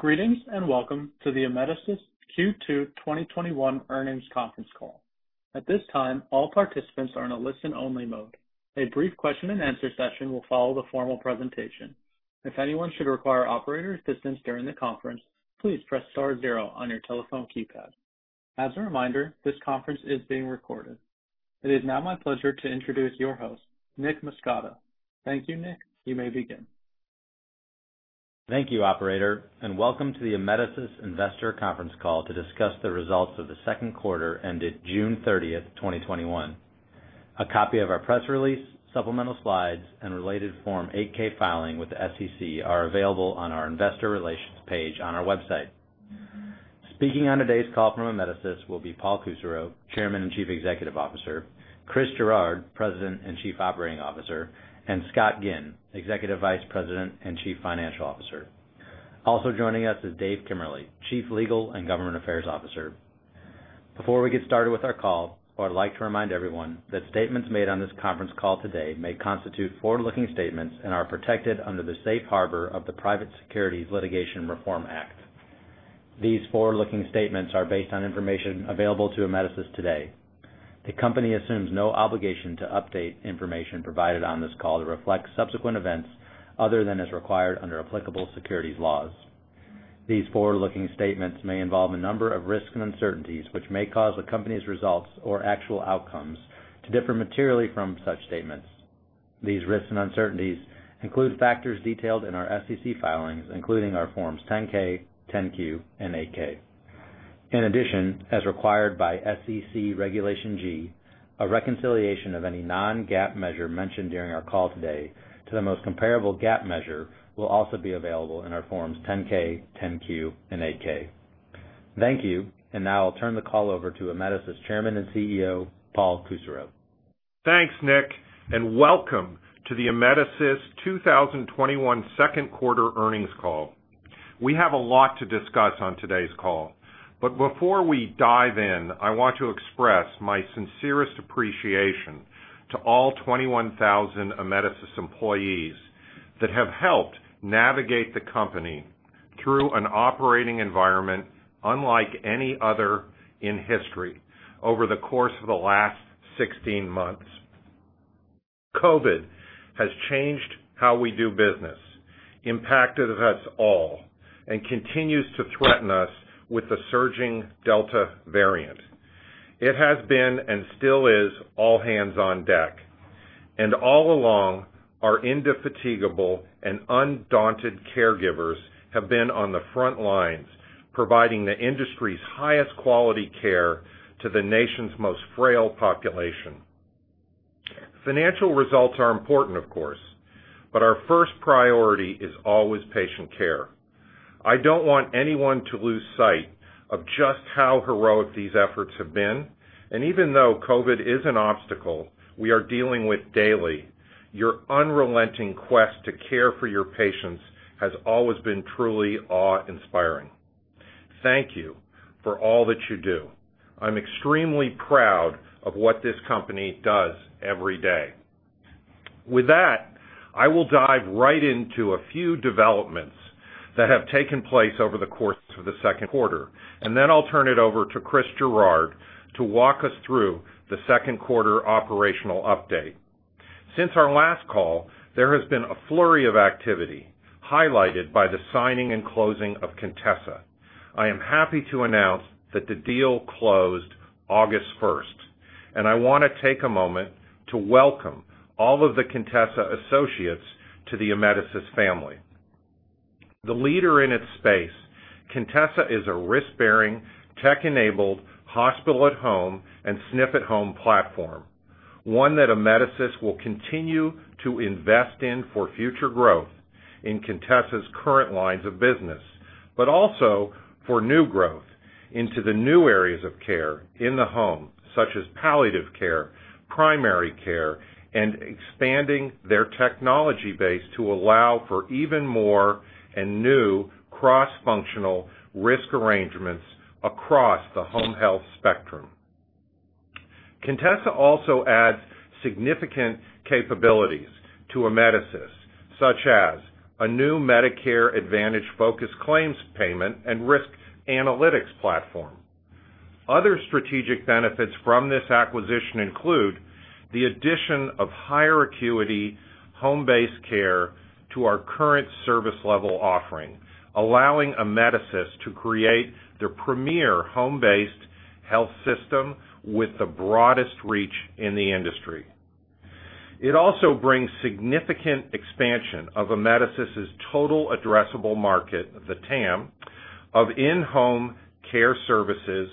Greetings and welcome to the Amedisys Q2 2021 Earnings Conference Call. At this time all participants are in listen-only mode. A brief question-and-answer session will follow the formal presentation. If anyone should require operator assistance during the conference, please press star zero on your telephone keypad. As a reminder this conference is being recorded. It is now my pleasure to introduce your host, Nick Muscato. Thank you, Nick. You may begin. Thank you, operator, and welcome to the Amedisys investor conference call to discuss the results of the 2nd quarter ended June 30, 2021. A copy of our press release, supplemental slides, and related Form 8-K filing with the SEC are available on our investor relations page on our website. Speaking on today's call from Amedisys will be Paul Kusserow, Chairman and Chief Executive Officer, Chris Gerard, President and Chief Operating Officer, and Scott Ginn, Executive Vice President and Chief Financial Officer. Also joining us is Dave Kemmerly, Chief Legal and Government Affairs Officer. Before we get started with our call, I would like to remind everyone that statements made on this conference call today may constitute forward-looking statements and are protected under the safe harbor of the Private Securities Litigation Reform Act. These forward-looking statements are based on information available to Amedisys today. The company assumes no obligation to update information provided on this call to reflect subsequent events other than as required under applicable securities laws. These forward-looking statements may involve a number of risks and uncertainties, which may cause the company's results or actual outcomes to differ materially from such statements. These risks and uncertainties include factors detailed in our SEC filings, including our Forms 10-K, 10-Q, and 8-K. In addition, as required by SEC Regulation G, a reconciliation of any non-GAAP measure mentioned during our call today to the most comparable GAAP measure will also be available in our Forms 10-K, 10-Q, and 8-K. Thank you. Now I'll turn the call over to Amedisys Chairman and CEO, Paul Kusserow. Thanks, Nick, and welcome to the Amedisys 2021 second quarter earnings call. We have a lot to discuss on today's call. Before we dive in, I want to express my sincerest appreciation to all 21,000 Amedisys employees that have helped navigate the company through an operating environment unlike any other in history over the course of the last 16 months. COVID has changed how we do business, impacted us all, and continues to threaten us with the surging Delta variant. It has been, and still is, all hands on deck. All along, our indefatigable and undaunted caregivers have been on the front lines, providing the industry's highest quality care to the nation's most frail population. Financial results are important, of course, but our first priority is always patient care. I don't want anyone to lose sight of just how heroic these efforts have been. Even though COVID is an obstacle we are dealing with daily, your unrelenting quest to care for your patients has always been truly awe-inspiring. Thank you for all that you do. I'm extremely proud of what this company does every day. With that, I will dive right into a few developments that have taken place over the course of the second quarter, and then I'll turn it over to Chris Gerard to walk us through the second quarter operational update. Since our last call, there has been a flurry of activity highlighted by the signing and closing of Contessa. I am happy to announce that the deal closed August 1st, and I want to take a moment to welcome all of the Contessa associates to the Amedisys family. The leader in its space, Contessa is a risk-bearing, tech-enabled hospital at home and SNF at home platform, one that Amedisys will continue to invest in for future growth in Contessa's current lines of business, but also for new growth into the new areas of care in the home, such as palliative care, primary care, and expanding their technology base to allow for even more and new cross-functional risk arrangements across the home health spectrum. Contessa also adds significant capabilities to Amedisys, such as a new Medicare Advantage focused claims payment and risk analytics platform. Other strategic benefits from this acquisition include the addition of higher acuity home-based care to our current service level offering, allowing Amedisys to create the premier home-based health system with the broadest reach in the industry. It also brings significant expansion of Amedisys's total addressable market, the TAM, of in-home care services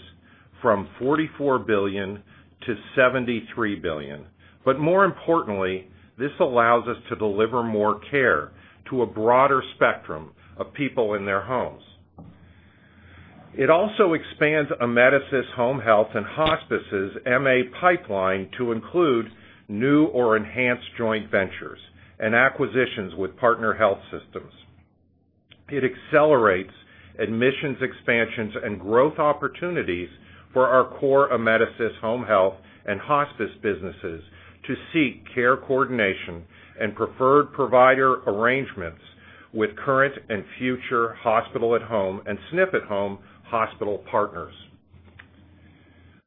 from $44 billion-$73 billion. More importantly, this allows us to deliver more care to a broader spectrum of people in their homes. It also expands Amedisys Home Health and Hospice's MA pipeline to include new or enhanced joint ventures and acquisitions with partner health systems. It accelerates admissions expansions and growth opportunities for our core Amedisys Home Health and Hospice businesses to seek care coordination and preferred provider arrangements with current and future hospital at home and SNF at home hospital partners.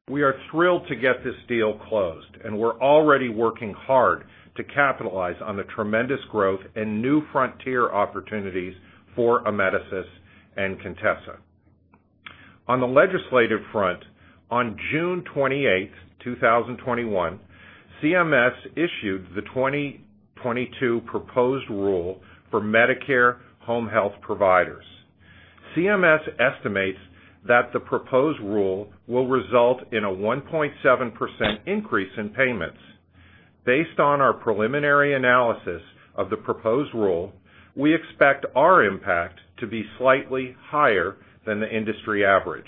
We are thrilled to get this deal closed, and we're already working hard to capitalize on the tremendous growth and new frontier opportunities for Amedisys and Contessa. On the legislative front, on June 28, 2021, CMS issued the 2022 proposed rule for Medicare home health providers. CMS estimates that the proposed rule will result in a 1.7% increase in payments. Based on our preliminary analysis of the proposed rule, we expect our impact to be slightly higher than the industry average.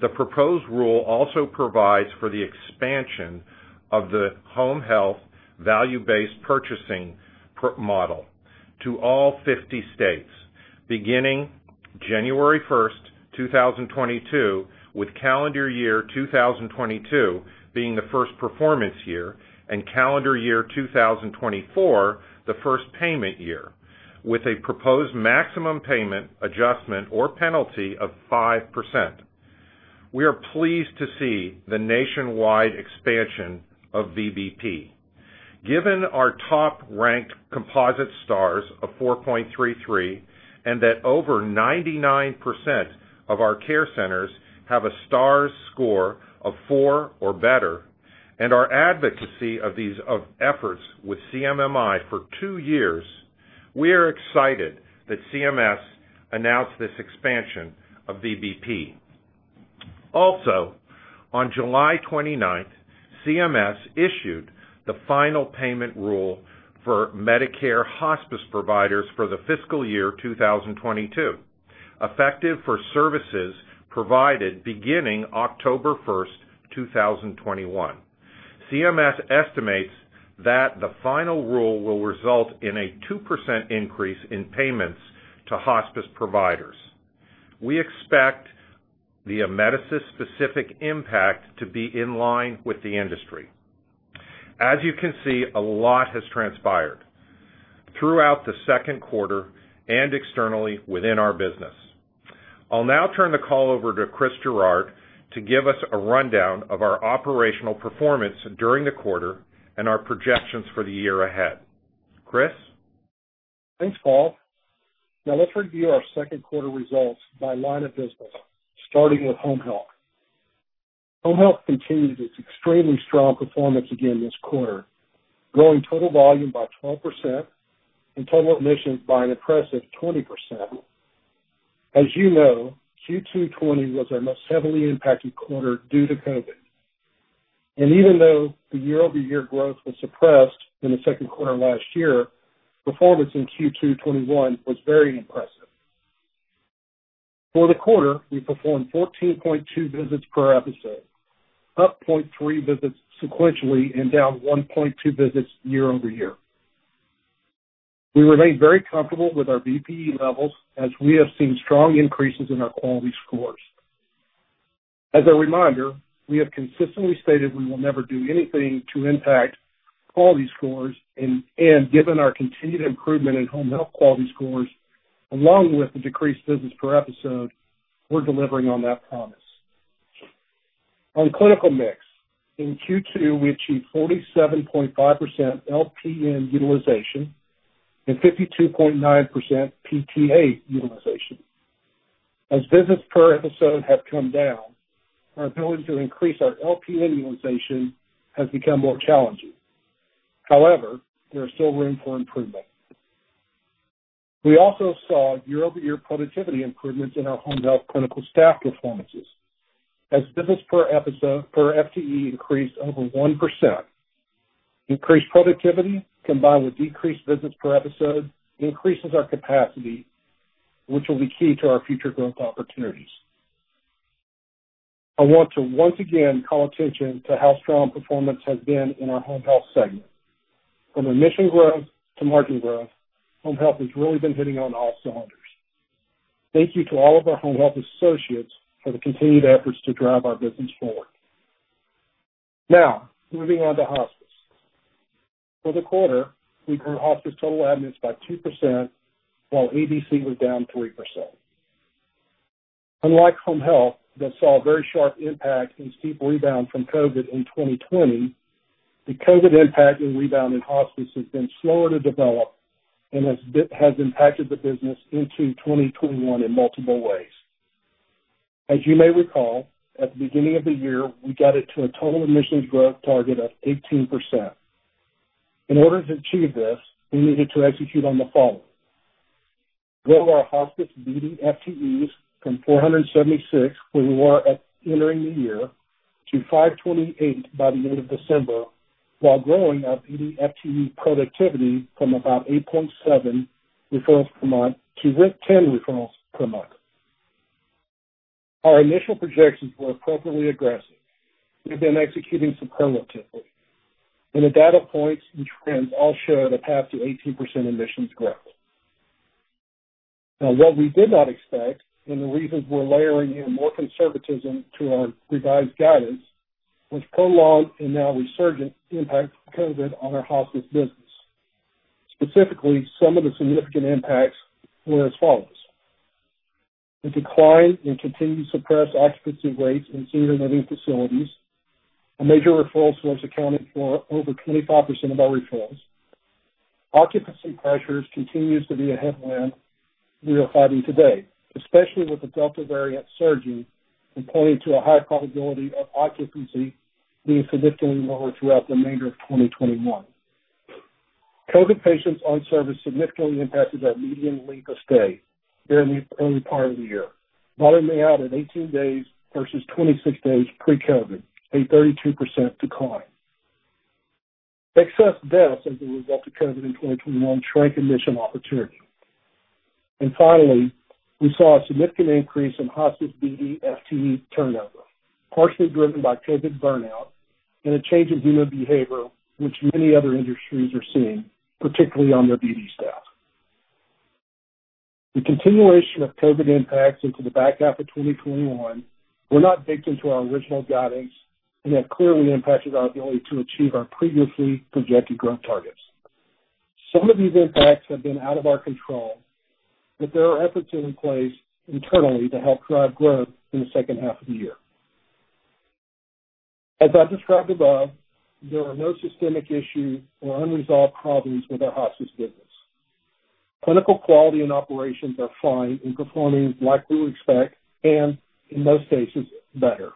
The proposed rule also provides for the expansion of the home health value-based purchasing model to all 50 states beginning January 1st, 2022, with calendar year 2022 being the first performance year and calendar year 2024 the first payment year, with a proposed maximum payment adjustment or penalty of 5%. We are pleased to see the nationwide expansion of VBP. Given our top ranked composite stars of 4.33, and that over 99% of our care centers have a stars score of four or better, and our advocacy of these efforts with CMMI for two years, we are excited that CMS announced this expansion of VBP. On July 29th, CMS issued the final payment rule for Medicare hospice providers for the fiscal year 2022, effective for services provided beginning October 1st, 2021. CMS estimates that the final rule will result in a 2% increase in payments to hospice providers. We expect the Amedisys specific impact to be in line with the industry. As you can see, a lot has transpired throughout the second quarter and externally within our business. I'll now turn the call over to Chris Gerard to give us a rundown of our operational performance during the quarter and our projections for the year ahead. Chris? Thanks, Paul. Now let's review our second quarter results by line of business, starting with home health. Home health continued its extremely strong performance again this quarter, growing total volume by 12% and total admissions by an impressive 20%. Even though the year-over-year growth was suppressed in the second quarter last year, performance in Q2 2021 was very impressive. For the quarter, we performed 14.2 visits per episode, up 0.3 visits sequentially and down 1.2 visits year-over-year. We remain very comfortable with our VPE levels as we have seen strong increases in our quality scores. As a reminder, we have consistently stated we will never do anything to impact quality scores, and given our continued improvement in home health quality scores, along with the decreased visits per episode, we're delivering on that promise. On clinical mix, in Q2, we achieved 47.5% LPN utilization and 52.9% PTA utilization. As visits per episode have come down, our ability to increase our LPN utilization has become more challenging. There is still room for improvement. We also saw year-over-year productivity improvements in our home health clinical staff performances as visits per episode per FTE increased over 1%. Increased productivity combined with decreased visits per episode increases our capacity, which will be key to our future growth opportunities. I want to once again call attention to how strong performance has been in our home health segment. From admissions growth to margin growth, home health has really been hitting on all cylinders. Thank you to all of our home health associates for the continued efforts to drive our business forward. Moving on to hospice. For the quarter, we grew hospice total admits by 2%, while ADC was down 3%. Unlike home health, that saw a very sharp impact and steep rebound from COVID in 2020, the COVID impact and rebound in hospice has been slower to develop and has impacted the business into 2021 in multiple ways. As you may recall, at the beginning of the year, we guided to a total admissions growth target of 18%. In order to achieve this, we needed to execute on the following: grow our hospice BD FTEs from 476, where we were at entering the year, to 528 by the end of December, while growing our BD FTE productivity from about 8.7 referrals per month to 10 referrals per month. Our initial projections were appropriately aggressive. We've been executing superbly to it. The data points and trends all show the path to 18% admissions growth. What we did not expect, and the reasons we're layering in more conservatism to our revised guidance, was prolonged and now resurgent impact of COVID on our hospice business. Specifically, some of the significant impacts were as follows: the decline in continued suppressed occupancy rates in senior living facilities, a major referral source accounting for over 25% of our referrals. Occupancy pressures continues to be a headwind we are fighting today, especially with the Delta variant surging and pointing to a high probability of occupancy being significantly lower throughout the remainder of 2021. COVID patients on service significantly impacted our median length of stay during the early part of the year, bottoming out at 18 days versus 26 days pre-COVID, a 32% decline. Excess deaths as a result of COVID in 2021 shrank admission opportunities. Finally, we saw a significant increase in hospice BD FTE turnover, partially driven by COVID burnout and a change in human behavior, which many other industries are seeing, particularly on their BD staff. The continuation of COVID impacts into the back half of 2021 were not baked into our original guidance and have clearly impacted our ability to achieve our previously projected growth targets. Some of these impacts have been out of our control, but there are efforts in place internally to help drive growth in the second half of the year. As I described above, there are no systemic issues or unresolved problems with our hospice business. Clinical quality and operations are fine and performing like we expect and, in most cases, better.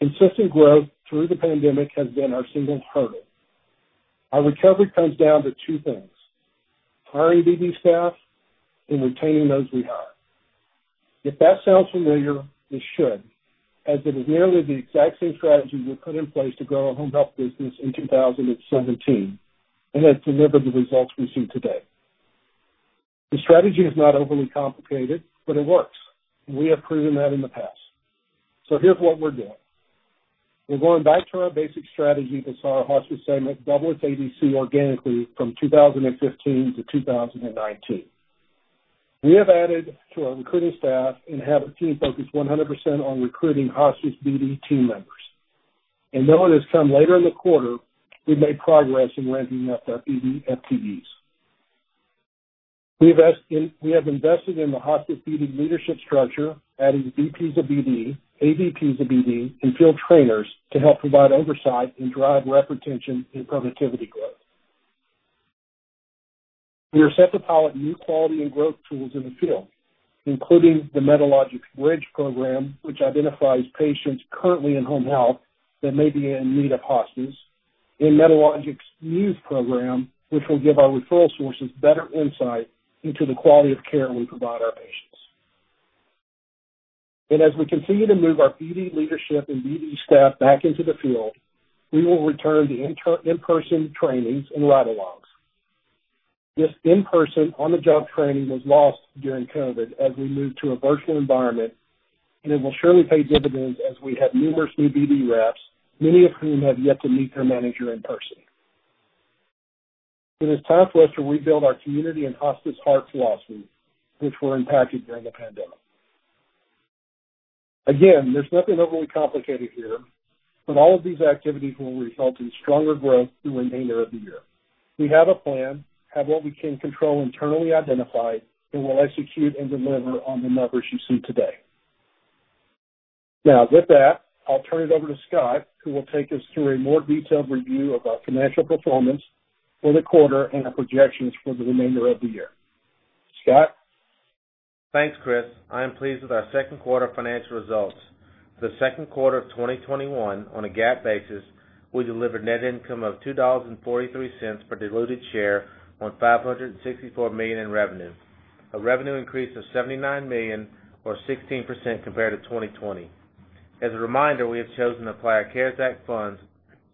Consistent growth through the pandemic has been our single hurdle. Our recovery comes down to two things: hiring BD staff and retaining those we have. If that sounds familiar, it should, as it is nearly the exact same strategy we put in place to grow our home health business in 2017 and has delivered the results we see today. The strategy is not overly complicated, but it works. We have proven that in the past. Here's what we're doing. We're going back to our basic strategy that saw our hospice segment double its ADC organically from 2015 to 2019. We have added to our recruiting staff and have a team focused 100% on recruiting hospice BD team members. Though it has come later in the quarter, we've made progress in ramping up our BD FTEs. We have invested in the hospice BD leadership structure, adding VPs of BD, AVPs of BD, and field trainers to help provide oversight and drive rep retention and productivity growth. We are set to pilot new quality and growth tools in the field, including the Medalogix Bridge program, which identifies patients currently in home health that may be in need of hospice, and Medalogix Muse program, which will give our referral sources better insight into the quality of care we provide our patients. As we continue to move our BD leadership and BD staff back into the field, we will return to in-person trainings and ride-alongs. This in-person, on-the-job training was lost during COVID as we moved to a virtual environment, and it will surely pay dividends as we have numerous new BD reps, many of whom have yet to meet their manager in person. It is time for us to rebuild our community and hospice hearts philosophy, which were impacted during the pandemic. Again, there's nothing overly complicated here, but all of these activities will result in stronger growth through the remainder of the year. We have a plan, have what we can control internally identified, and will execute and deliver on the numbers you see today. Now, with that, I'll turn it over to Scott, who will take us through a more detailed review of our financial performance for the quarter and our projections for the remainder of the year. Scott? Thanks, Chris. I am pleased with our second quarter financial results. For the second quarter of 2021, on a GAAP basis, we delivered net income of $2.43 per diluted share on $564 million in revenue, a revenue increase of $79 million or 16% compared to 2020. As a reminder, we have chosen to apply our CARES Act funds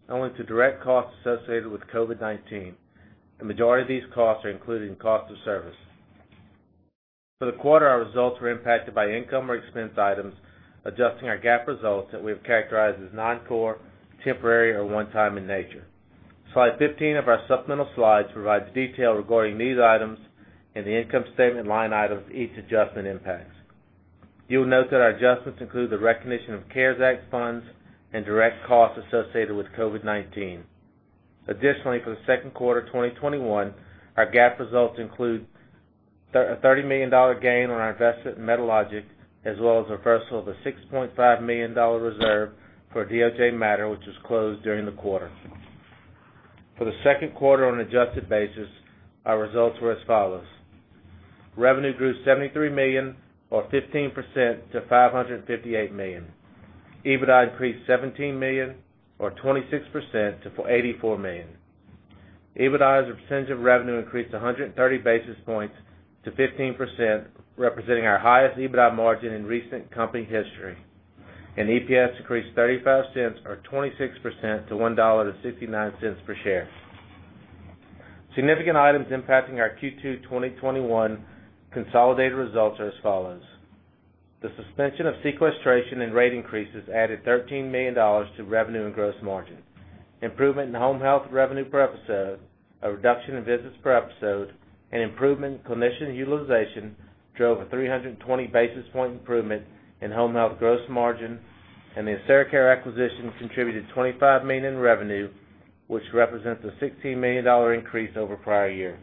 only to direct costs associated with COVID-19. The majority of these costs are included in cost of service. For the quarter, our results were impacted by income or expense items adjusting our GAAP results that we have characterized as non-core, temporary, or one time in nature. Slide 15 of our supplemental slides provides detail regarding these items and the income statement line items each adjustment impacts. You'll note that our adjustments include the recognition of CARES Act funds and direct costs associated with COVID-19. Additionally, for the second quarter 2021, our GAAP results include a $30 million gain on our investment in Medalogix, as well as reversal of a $6.5 million reserve for a DOJ matter, which was closed during the quarter. For the second quarter on an adjusted basis, our results were as follows. Revenue grew $73 million or 15% to $558 million. EBITDA increased $17 million or 26% to $84 million. EBITDA as a percentage of revenue increased 130 basis points to 15%, representing our highest EBITDA margin in recent company history. EPS increased $0.35 or 26% to $1.69 per share. Significant items impacting our Q2 2021 consolidated results are as follows. The suspension of sequestration and rate increases added $13 million to revenue and gross margin. Improvement in home health revenue per episode, a reduction in visits per episode, and improvement in clinician utilization drove a 320 basis points improvement in home health gross margin. The AseraCare acquisition contributed $25 million in revenue, which represents a $16 million increase over prior year.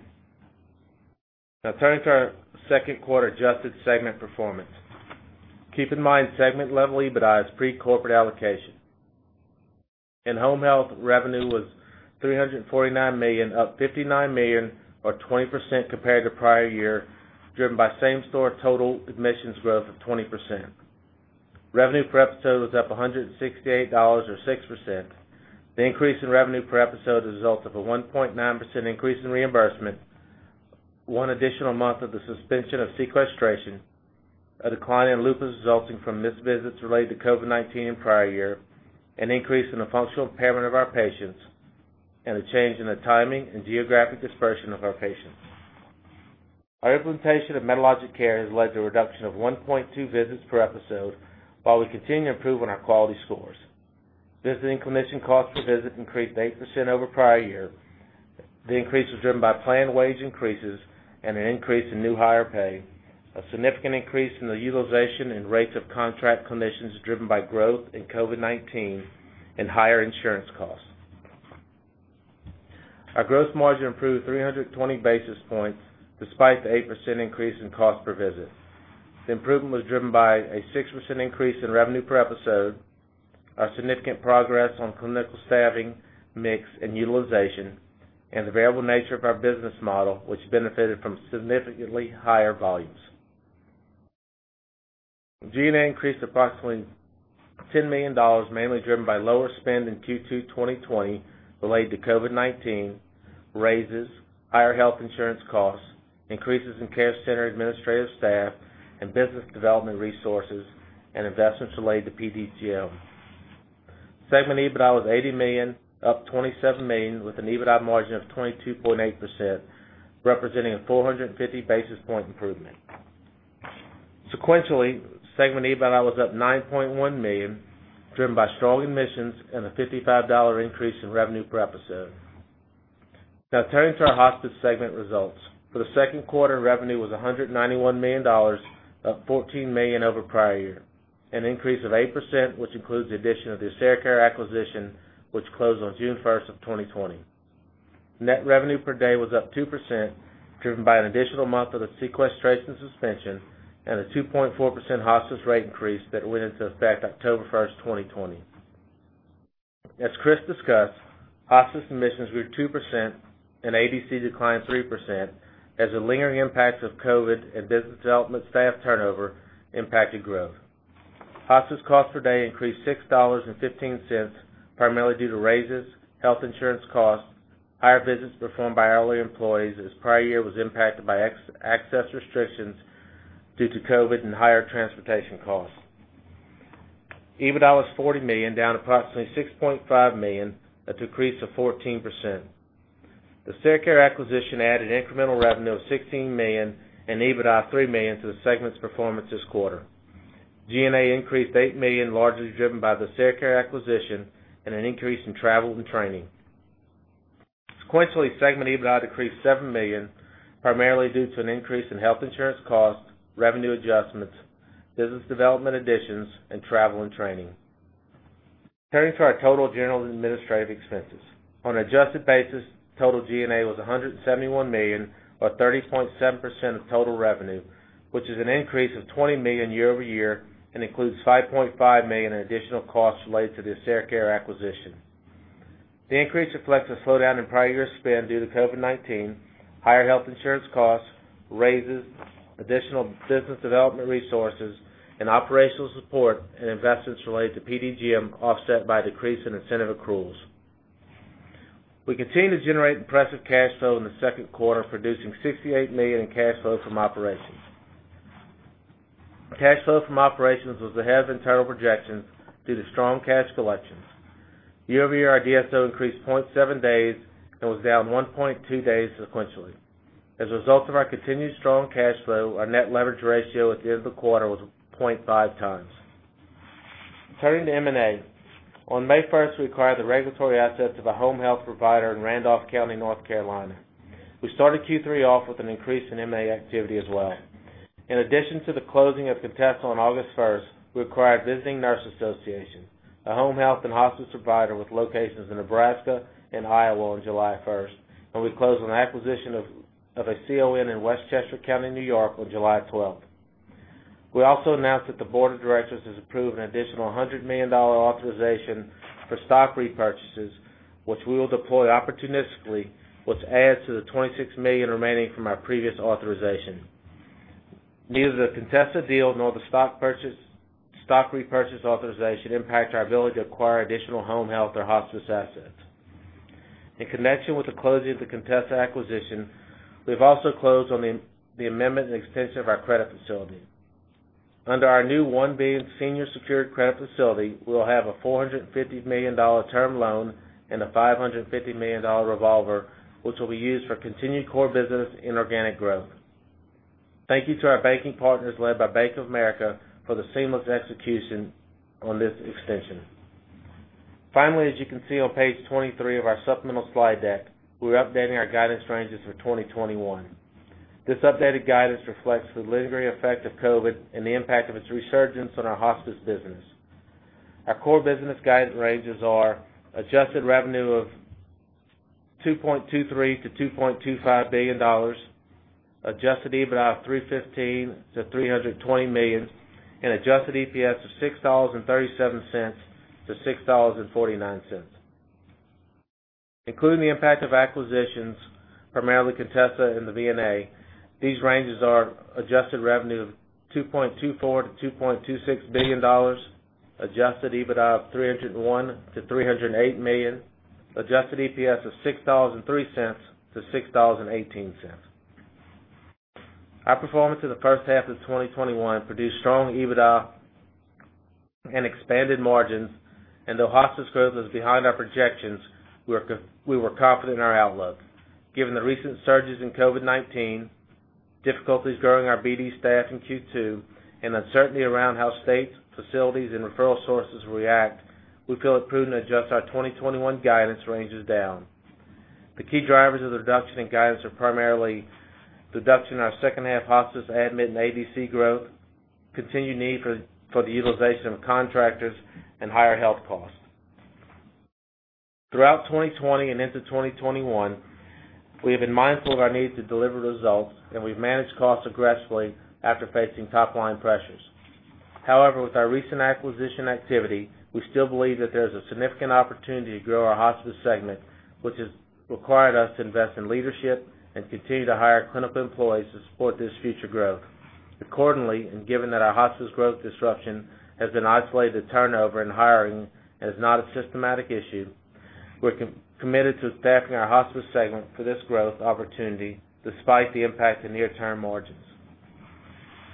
Now turning to our second quarter adjusted segment performance. Keep in mind, segment-level EBITDA is pre-corporate allocation. In home health, revenue was $349 million, up $59 million or 20% compared to prior year, driven by same-store total admissions growth of 20%. Revenue per episode was up $168 or 6%. The increase in revenue per episode is a result of a 1.9% increase in reimbursement, one additional month of the suspension of sequestration, a decline in LUPAs resulting from missed visits related to COVID-19 in prior year, an increase in the functional impairment of our patients, and a change in the timing and geographic dispersion of our patients. Our implementation of Medalogix Care has led to a reduction of 1.2 visits per episode while we continue improving our quality scores. Visiting clinician cost per visit increased 8% over prior year. The increase was driven by planned wage increases and an increase in new hire pay, a significant increase in the utilization and rates of contract clinicians driven by growth in COVID-19, and higher insurance costs. Our gross margin improved 320 basis points despite the 8% increase in cost per visit. The improvement was driven by a 6% increase in revenue per episode, our significant progress on clinical staffing, mix, and utilization, and the variable nature of our business model, which benefited from significantly higher volumes. G&A increased approximately $10 million, mainly driven by lower spend in Q2 2020 related to COVID-19, raises, higher health insurance costs, increases in care center administrative staff and business development resources, and investments related to PDGM. Segment EBITDA was $80 million, up $27 million with an EBITDA margin of 22.8%, representing a 450 basis point improvement. Sequentially, segment EBITDA was up $9.1 million, driven by strong admissions and a $55 increase in revenue per episode. Turning to our hospice segment results. For the second quarter, revenue was $191 million, up $14 million over prior year, an increase of 8%, which includes the addition of the AseraCare acquisition, which closed on June 1, 2020. Net revenue per day was up 2%, driven by an additional month of the sequestration suspension and a 2.4% hospice rate increase that went into effect October 1st, 2020. As Chris Gerard discussed, hospice admissions grew 2% and ABC declined 3% as the lingering impacts of COVID and business development staff turnover impacted growth. Hospice cost per day increased $6.15, primarily due to raises, health insurance costs, higher visits performed by hourly employees as prior year was impacted by access restrictions due to COVID and higher transportation costs. EBITDA was $40 million, down approximately $6.5 million, a decrease of 14%. The AseraCare acquisition added incremental revenue of $16 million and EBITDA of $3 million to the segment's performance this quarter. G&A increased to $8 million, largely driven by the AseraCare acquisition and an increase in travel and training. Sequentially, segment EBITDA decreased $7 million, primarily due to an increase in health insurance costs, revenue adjustments, business development additions, and travel and training. Turning to our total general and administrative expenses. On an adjusted basis, total G&A was $171 million or 30.7% of total revenue, which is an increase of $20 million year-over-year and includes $5.5 million in additional costs related to the AseraCare acquisition. The increase reflects a slowdown in prior year spend due to COVID-19, higher health insurance costs, raises, additional business development resources, and operational support and investments related to PDGM, offset by a decrease in incentive accruals. We continue to generate impressive cash flow in the second quarter, producing $68 million in cash flow from operations. Cash flow from operations was ahead of internal projections due to strong cash collections. Year-over-year, our DSO increased 0.7 days and was down 1.2 days sequentially. As a result of our continued strong cash flow, our net leverage ratio at the end of the quarter was 0.5 times. Turning to M&A. On May 1st, we acquired the regulatory assets of a home health provider in Randolph County, North Carolina. We started Q3 off with an increase in M&A activity as well. In addition to the closing of Contessa on August 1st, we acquired Visiting Nurse Association, a home health and hospice provider with locations in Nebraska and Iowa on July 1st, and we closed on the acquisition of a CON in Westchester County, N.Y. on July 12th. We also announced that the board of directors has approved an additional $100 million authorization for stock repurchases, which we will deploy opportunistically, which adds to the $26 million remaining from our previous authorization. Neither the Contessa deal nor the stock repurchase authorization impact our ability to acquire additional home health or hospice assets. In connection with the closing of the Contessa acquisition, we've also closed on the amendment and extension of our credit facility. Under our new $1 billion senior secured credit facility, we will have a $450 million term loan and a $550 million revolver, which will be used for continued core business and organic growth. Thank you to our banking partners, led by Bank of America, for the seamless execution on this extension. Finally, as you can see on page 23 of our supplemental slide deck, we're updating our guidance ranges for 2021. This updated guidance reflects the lingering effect of COVID and the impact of its resurgence on our hospice business. Our core business guidance ranges are adjusted revenue of $2.23 billion-$2.25 billion, adjusted EBITDA of $315 million-$320 million, and adjusted EPS of $6.37-$6.49. Including the impact of acquisitions, primarily Contessa and the VNA, these ranges are adjusted revenue of $2.24 billion-$2.26 billion, adjusted EBITDA of $301 million-$308 million, adjusted EPS of $6.03-$6.18. Our performance in the first half of 2021 produced strong EBITDA and expanded margins, and though hospice growth was behind our projections, we were confident in our outlook. Given the recent surges in COVID-19, difficulties growing our BD staff in Q2, and uncertainty around how states, facilities, and referral sources will react, we feel it prudent to adjust our 2021 guidance ranges down. The key drivers of the reduction in guidance are primarily reduction in our second half hospice admit and ABC growth, continued need for the utilization of contractors, and higher health costs. Throughout 2020 and into 2021, we have been mindful of our need to deliver results, and we've managed costs aggressively after facing top-line pressures. With our recent acquisition activity, we still believe that there's a significant opportunity to grow our hospice segment, which has required us to invest in leadership and continue to hire clinical employees to support this future growth. Accordingly, given that our hospice growth disruption has been isolated to turnover and hiring and is not a systematic issue, we're committed to staffing our hospice segment for this growth opportunity despite the impact to near-term margins.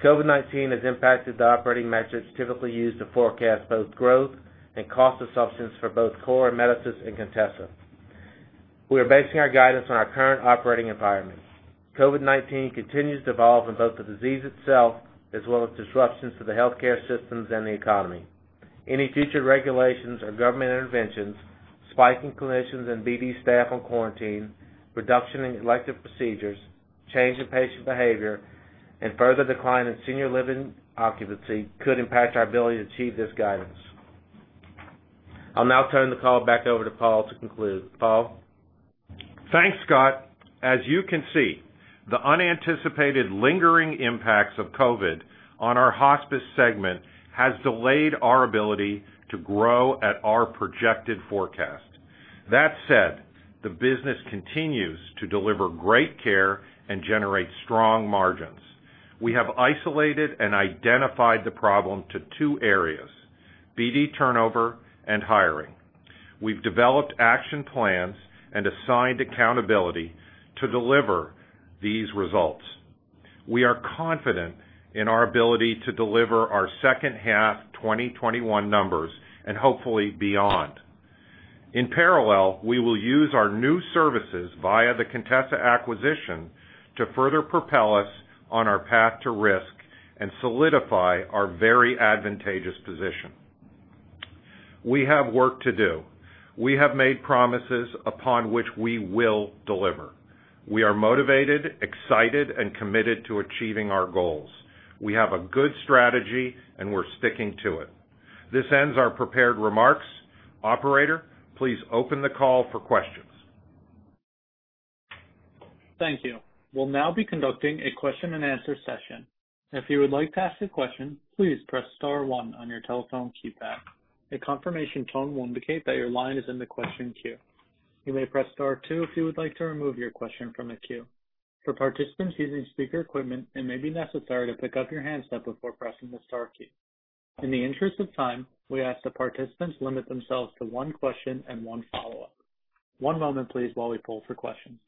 COVID-19 has impacted the operating metrics typically used to forecast both growth and cost assumptions for both Core, Amedisys, and Contessa. We are basing our guidance on our current operating environment. COVID-19 continues to evolve in both the disease itself as well as disruptions to the healthcare systems and the economy. Any future regulations or government interventions, spike in clinicians and BD staff on quarantine, reduction in elective procedures, change in patient behavior, and further decline in senior living occupancy could impact our ability to achieve this guidance. I'll now turn the call back over to Paul to conclude. Paul? Thanks, Scott. As you can see, the unanticipated lingering impacts of COVID on our hospice segment has delayed our ability to grow at our projected forecast. That said, the business continues to deliver great care and generate strong margins. We have isolated and identified the problem to two areas, BD turnover and hiring. We've developed action plans and assigned accountability to deliver these results. We are confident in our ability to deliver our second half 2021 numbers and hopefully beyond. In parallel, we will use our new services via the Contessa acquisition to further propel us on our path to risk and solidify our very advantageous position. We have work to do. We have made promises upon which we will deliver. We are motivated, excited, and committed to achieving our goals. We have a good strategy, and we're sticking to it. This ends our prepared remarks. Operator, please open the call for questions. Thank you. We will now be conducting a question-and-answer session. If you would like to ask a question please press star one on your telephone keypad. A confirmation tone will indicate that your line is in the question queue. You may press star two if you would like to remove your question from the queue. For participants using a speaker equipment, it may be necessary to pick up your handset before pressing the star keys. In the interested time, we ask the participants limit themselves for one question and one follow up. One moment please while we poll for questions.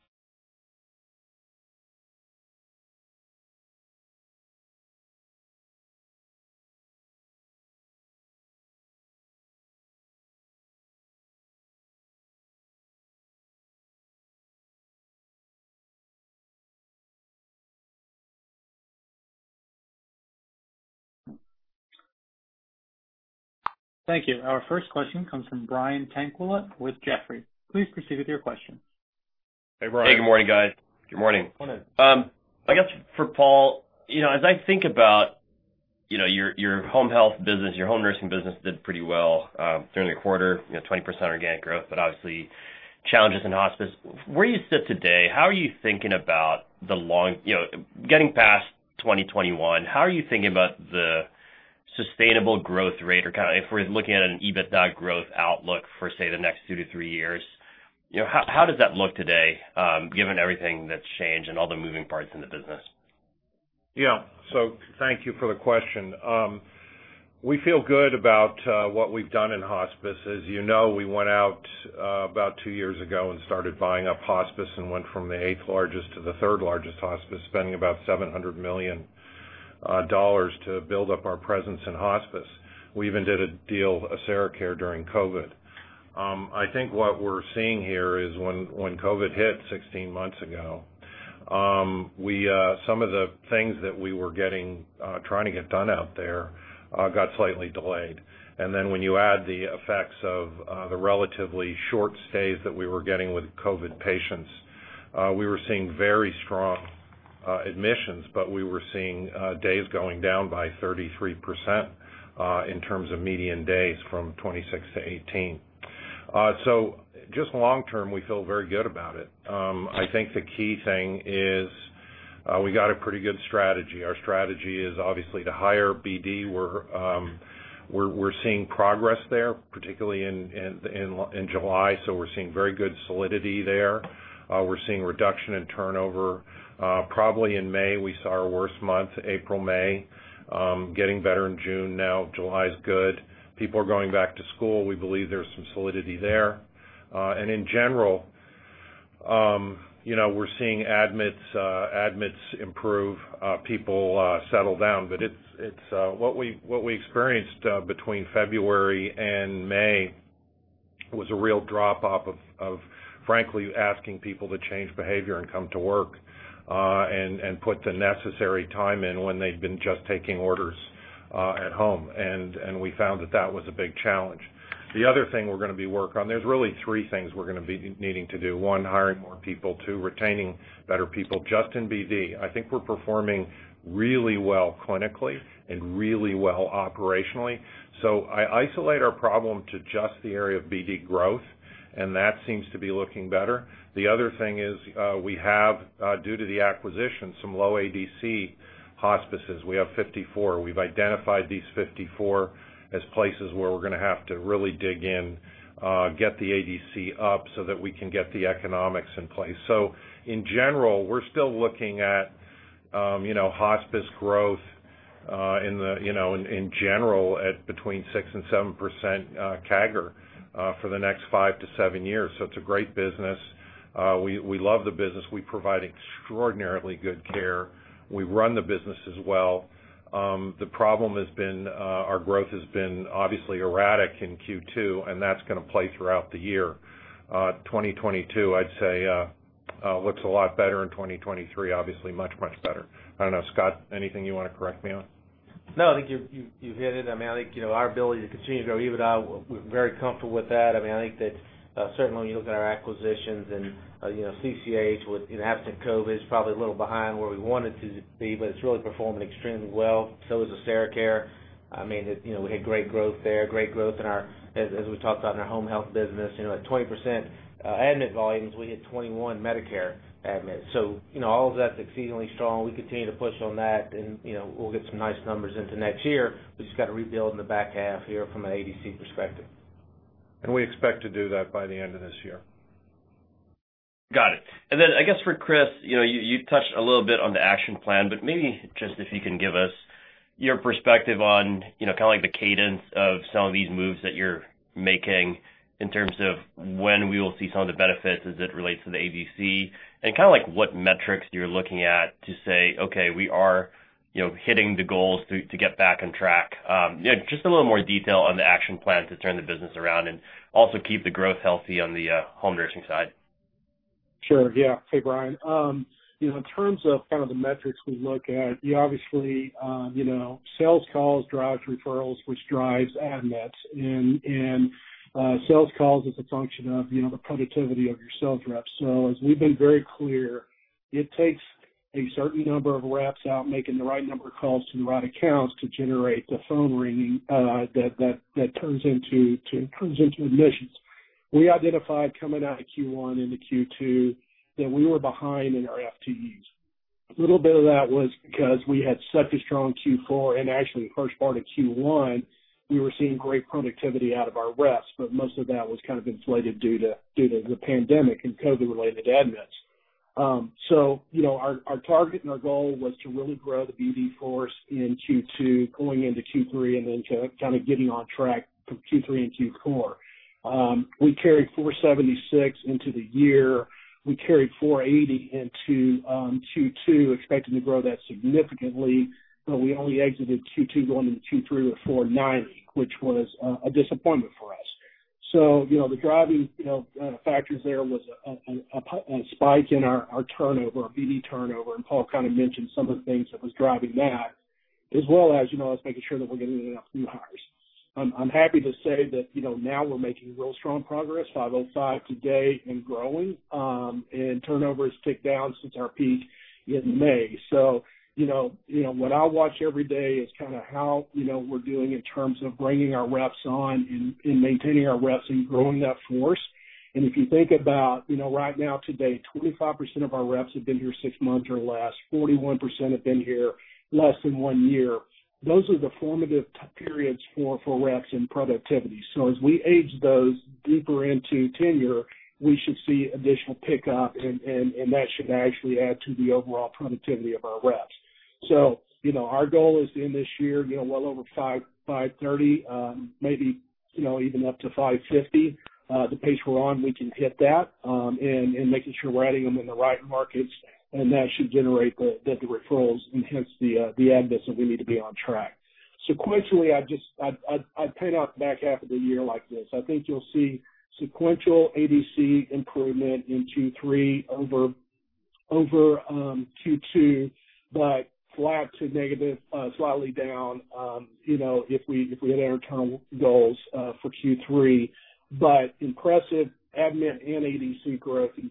Our first question comes from Brian Tanquilut with Jefferies. Please proceed with your question. Hey, Brian. Hey, good morning, guys. Good morning. I guess, for Paul, as I think about your home health business, your home nursing business did pretty well during the quarter, 20% organic growth, but obviously challenges in hospice. Where you sit today, how are you thinking about getting past 2021? How are you thinking about the sustainable growth rate, if we're looking at an EBITDA growth outlook for, say, the next 2-3 years? How does that look today, given everything that's changed and all the moving parts in the business? Thank you for the question. We feel good about what we've done in hospice. As you know, we went out about two years ago and started buying up hospice and went from the eighth largest to the third largest hospice, spending about $700 million to build up our presence in hospice. We even did a deal, AseraCare, during COVID. I think what we're seeing here is when COVID hit 16 months ago. Some of the things that we were trying to get done out there got slightly delayed. When you add the effects of the relatively short stays that we were getting with COVID patients, we were seeing very strong admissions, but we were seeing days going down by 33% in terms of median days from 26 to 18. Just long term, we feel very good about it. I think the key thing is we got a pretty good strategy. Our strategy is obviously to hire BD. We're seeing progress there, particularly in July. We're seeing very good solidity there. We're seeing reduction in turnover. Probably in May, we saw our worst month, April, May. Getting better in June. July is good. People are going back to school. We believe there's some solidity there. In general, we're seeing admits improve, people settle down. What we experienced between February and May was a real drop off of frankly, asking people to change behavior and come to work, and put the necessary time in when they'd been just taking orders at home. We found that that was a big challenge. The other thing we're going to be working on, there's really three things we're going to be needing to do. One, hiring more people. Two, retaining better people. Just in BD, I think we're performing really well clinically and really well operationally. I isolate our problem to just the area of BD growth, and that seems to be looking better. The other thing is we have, due to the acquisition, some low ADC hospices. We have 54. We've identified these 54 as places where we're going to have to really dig in, get the ADC up so that we can get the economics in place. In general, we're still looking at hospice growth in general at between 6%-7% CAGR for the next five to seven years. It's a great business. We love the business. We provide extraordinarily good care. We run the business as well. The problem has been our growth has been obviously erratic in Q2, and that's going to play throughout the year. 2022, I'd say, looks a lot better. In 2023, obviously much, much better. I don't know, Scott, anything you want to correct me on? No, I think you hit it. I think our ability to continue to grow EBITDA, we're very comfortable with that. I think that certainly when you look at our acquisitions and CCH, absent COVID, it's probably a little behind where we wanted to be, but it's really performing extremely well. Is AseraCare. We had great growth there, great growth in our, as we talked about in our home health business, at 20% admit volumes, we hit 21 Medicare admits. All of that's exceedingly strong. We continue to push on that, and we'll get some nice numbers into next year. We just got to rebuild in the back half here from an ADC perspective. We expect to do that by the end of this year. Got it. I guess for Chris, you touched a little bit on the action plan, but maybe just if you can give us your perspective on the cadence of some of these moves that you're making in terms of when we will see some of the benefits as it relates to the ADC and what metrics you're looking at to say, "Okay, we are hitting the goals to get back on track." Just a little more detail on the action plan to turn the business around and also keep the growth healthy on the home nursing side. Sure. Yeah. Hey, Brian. In terms of the metrics we look at, obviously, sales calls drives referrals, which drives admits, and sales calls is a function of the productivity of your sales reps. As we've been very clear, it takes a certain number of reps out making the right number of calls to the right accounts to generate the phone ringing that turns into admissions. We identified coming out of Q1 into Q2 that we were behind in our FTEs. A little bit of that was because we had such a strong Q4, and actually the first part of Q1, we were seeing great productivity out of our reps, but most of that was inflated due to the pandemic and COVID-related admits. Our target and our goal was to really grow the BD force in Q2, going into Q3, and then to getting on track from Q3 into Q4. We carried 476 into the year. We carried 480 into Q2, expecting to grow that significantly, but we only exited Q2 going into Q3 with 490, which was a disappointment for us. The driving factors there was a spike in our turnover, our BD turnover, and Paul mentioned some of the things that was driving that, as well as us making sure that we're getting enough new hires. I'm happy to say that now we're making real strong progress, 505 today and growing, and turnover has ticked down since our peak in May. What I watch every day is how we're doing in terms of bringing our reps on and maintaining our reps and growing that force. If you think about right now today, 25% of our reps have been here six months or less, 41% have been here less than one year. Those are the formative periods for reps and productivity. As we age those deeper into tenure, we should see additional pickup, and that should actually add to the overall productivity of our reps. Our goal is to end this year well over 530, maybe even up to 550. The pace we're on, we can hit that, and making sure we're adding them in the right markets, and that should generate the referrals and hence the admits that we need to be on track. Sequentially, I paint out the back half of the year like this. I think you'll see sequential ADC improvement in Q3 over Q2, but flat to negative, slightly down, if we hit our internal goals for Q3. Impressive admit and ADC growth in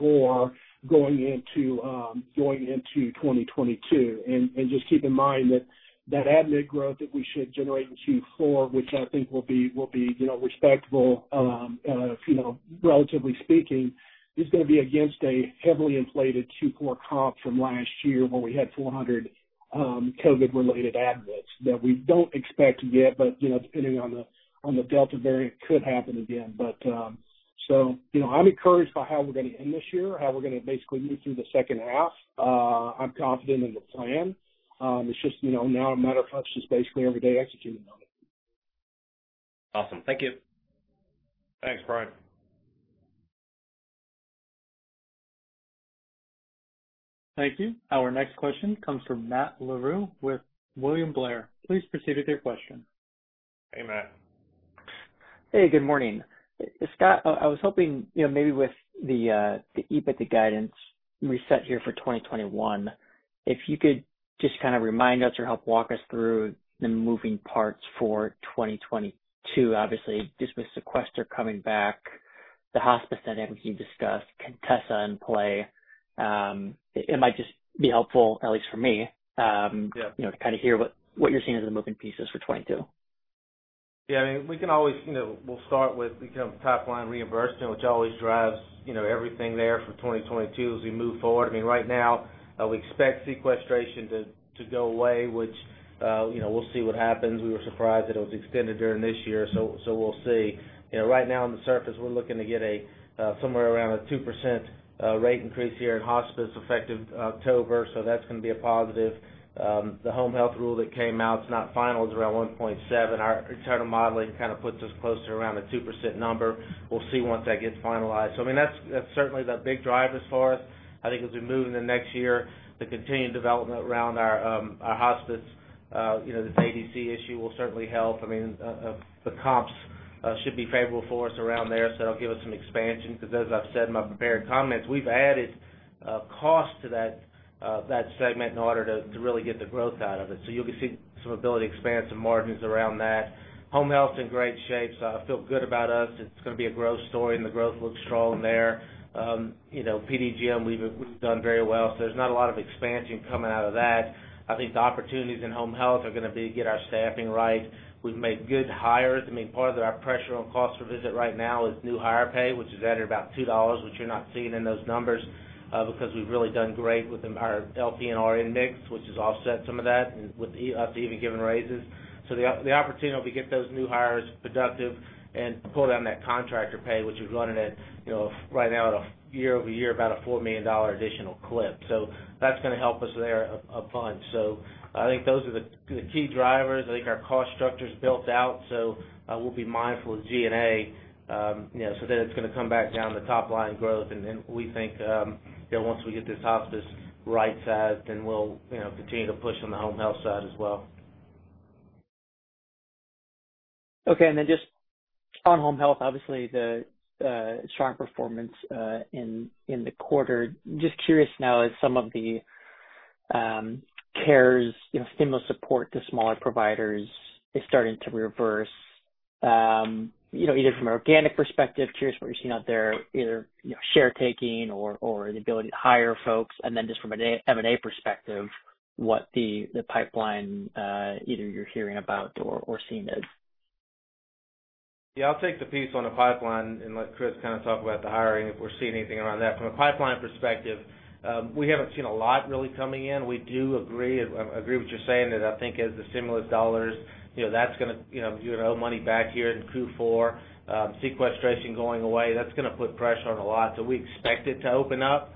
Q4 going into 2022. Just keep in mind that that admit growth that we should generate in Q4, which I think will be respectable, relatively speaking, is going to be against a heavily inflated Q4 comp from last year where we had 400 COVID-related admits that we don't expect yet, but depending on the Delta variant, could happen again. I'm encouraged by how we're going to end this year, how we're going to basically move through the second half. I'm confident in the plan. It's just now a matter of us just basically every day executing on it. Awesome. Thank you. Thanks, Brian. Thank you. Our next question comes from Matt Larew with William Blair. Please proceed with your question. Hey, Matt. Hey, good morning. Scott, I was hoping maybe with the EBITDA guidance reset here for 2021, if you could just remind us or help walk us through the moving parts for 2022. Obviously, just with sequester coming back, the hospice dynamics you discussed, Contessa in play, it might just be helpful, at least for me- Yeah Kinda hear what you're seeing as the moving pieces for 2022. Yeah, we'll start with top line reimbursement, which always drives everything there for 2022 as we move forward. Right now, we expect sequestration to go away, which we'll see what happens. We were surprised that it was extended during this year, so we'll see. Right now on the surface, we're looking to get somewhere around a 2% rate increase here in hospice effective October, so that's going to be a positive. The home health rule that came out, it's not final. It's around 1.7. Our internal modeling puts us close to around a 2% number. We'll see once that gets finalized. That's certainly the big driver as far as I think as we move into next year, the continued development around our hospice. This ADC issue will certainly help. The comps should be favorable for us around there, so that'll give us some expansion because as I've said in my prepared comments, we've added cost to that segment in order to really get the growth out of it. You'll see some ability to expand some margins around that. Home health's in great shape, so I feel good about us. It's going to be a growth story and the growth looks strong there. PDGM, we've done very well, so there's not a lot of expansion coming out of that. I think the opportunities in home health are going to be to get our staffing right. We've made good hires. Part of our pressure on cost per visit right now is new hire pay, which is at about $2, which you're not seeing in those numbers because we've really done great within our LTNR index, which has offset some of that after even giving raises. The opportunity will be to get those new hires productive and pull down that contractor pay, which is running at, right now at a year-over-year, about a $4 million additional clip. That's going to help us there a bunch. I think those are the key drivers. I think our cost structure is built out, we'll be mindful of G&A, it's going to come back down to top-line growth. We think once we get this hospice right-sized, we'll continue to push on the home health side as well. Okay, just on home health, obviously the strong performance in the quarter. Curious now as some of the CARES Act stimulus support to smaller providers is starting to reverse, either from an organic perspective, curious what you're seeing out there, either share taking or the ability to hire folks, and then just from an M&A perspective, what the pipeline either you're hearing about or seeing is. Yeah, I'll take the piece on the pipeline and let Chris talk about the hiring, if we're seeing anything around that. From a pipeline perspective, we haven't seen a lot really coming in. We do agree with what you're saying, that I think as the stimulus dollars, that's going to give money back here in Q4, sequestration going away, that's going to put pressure on a lot. We expect it to open up.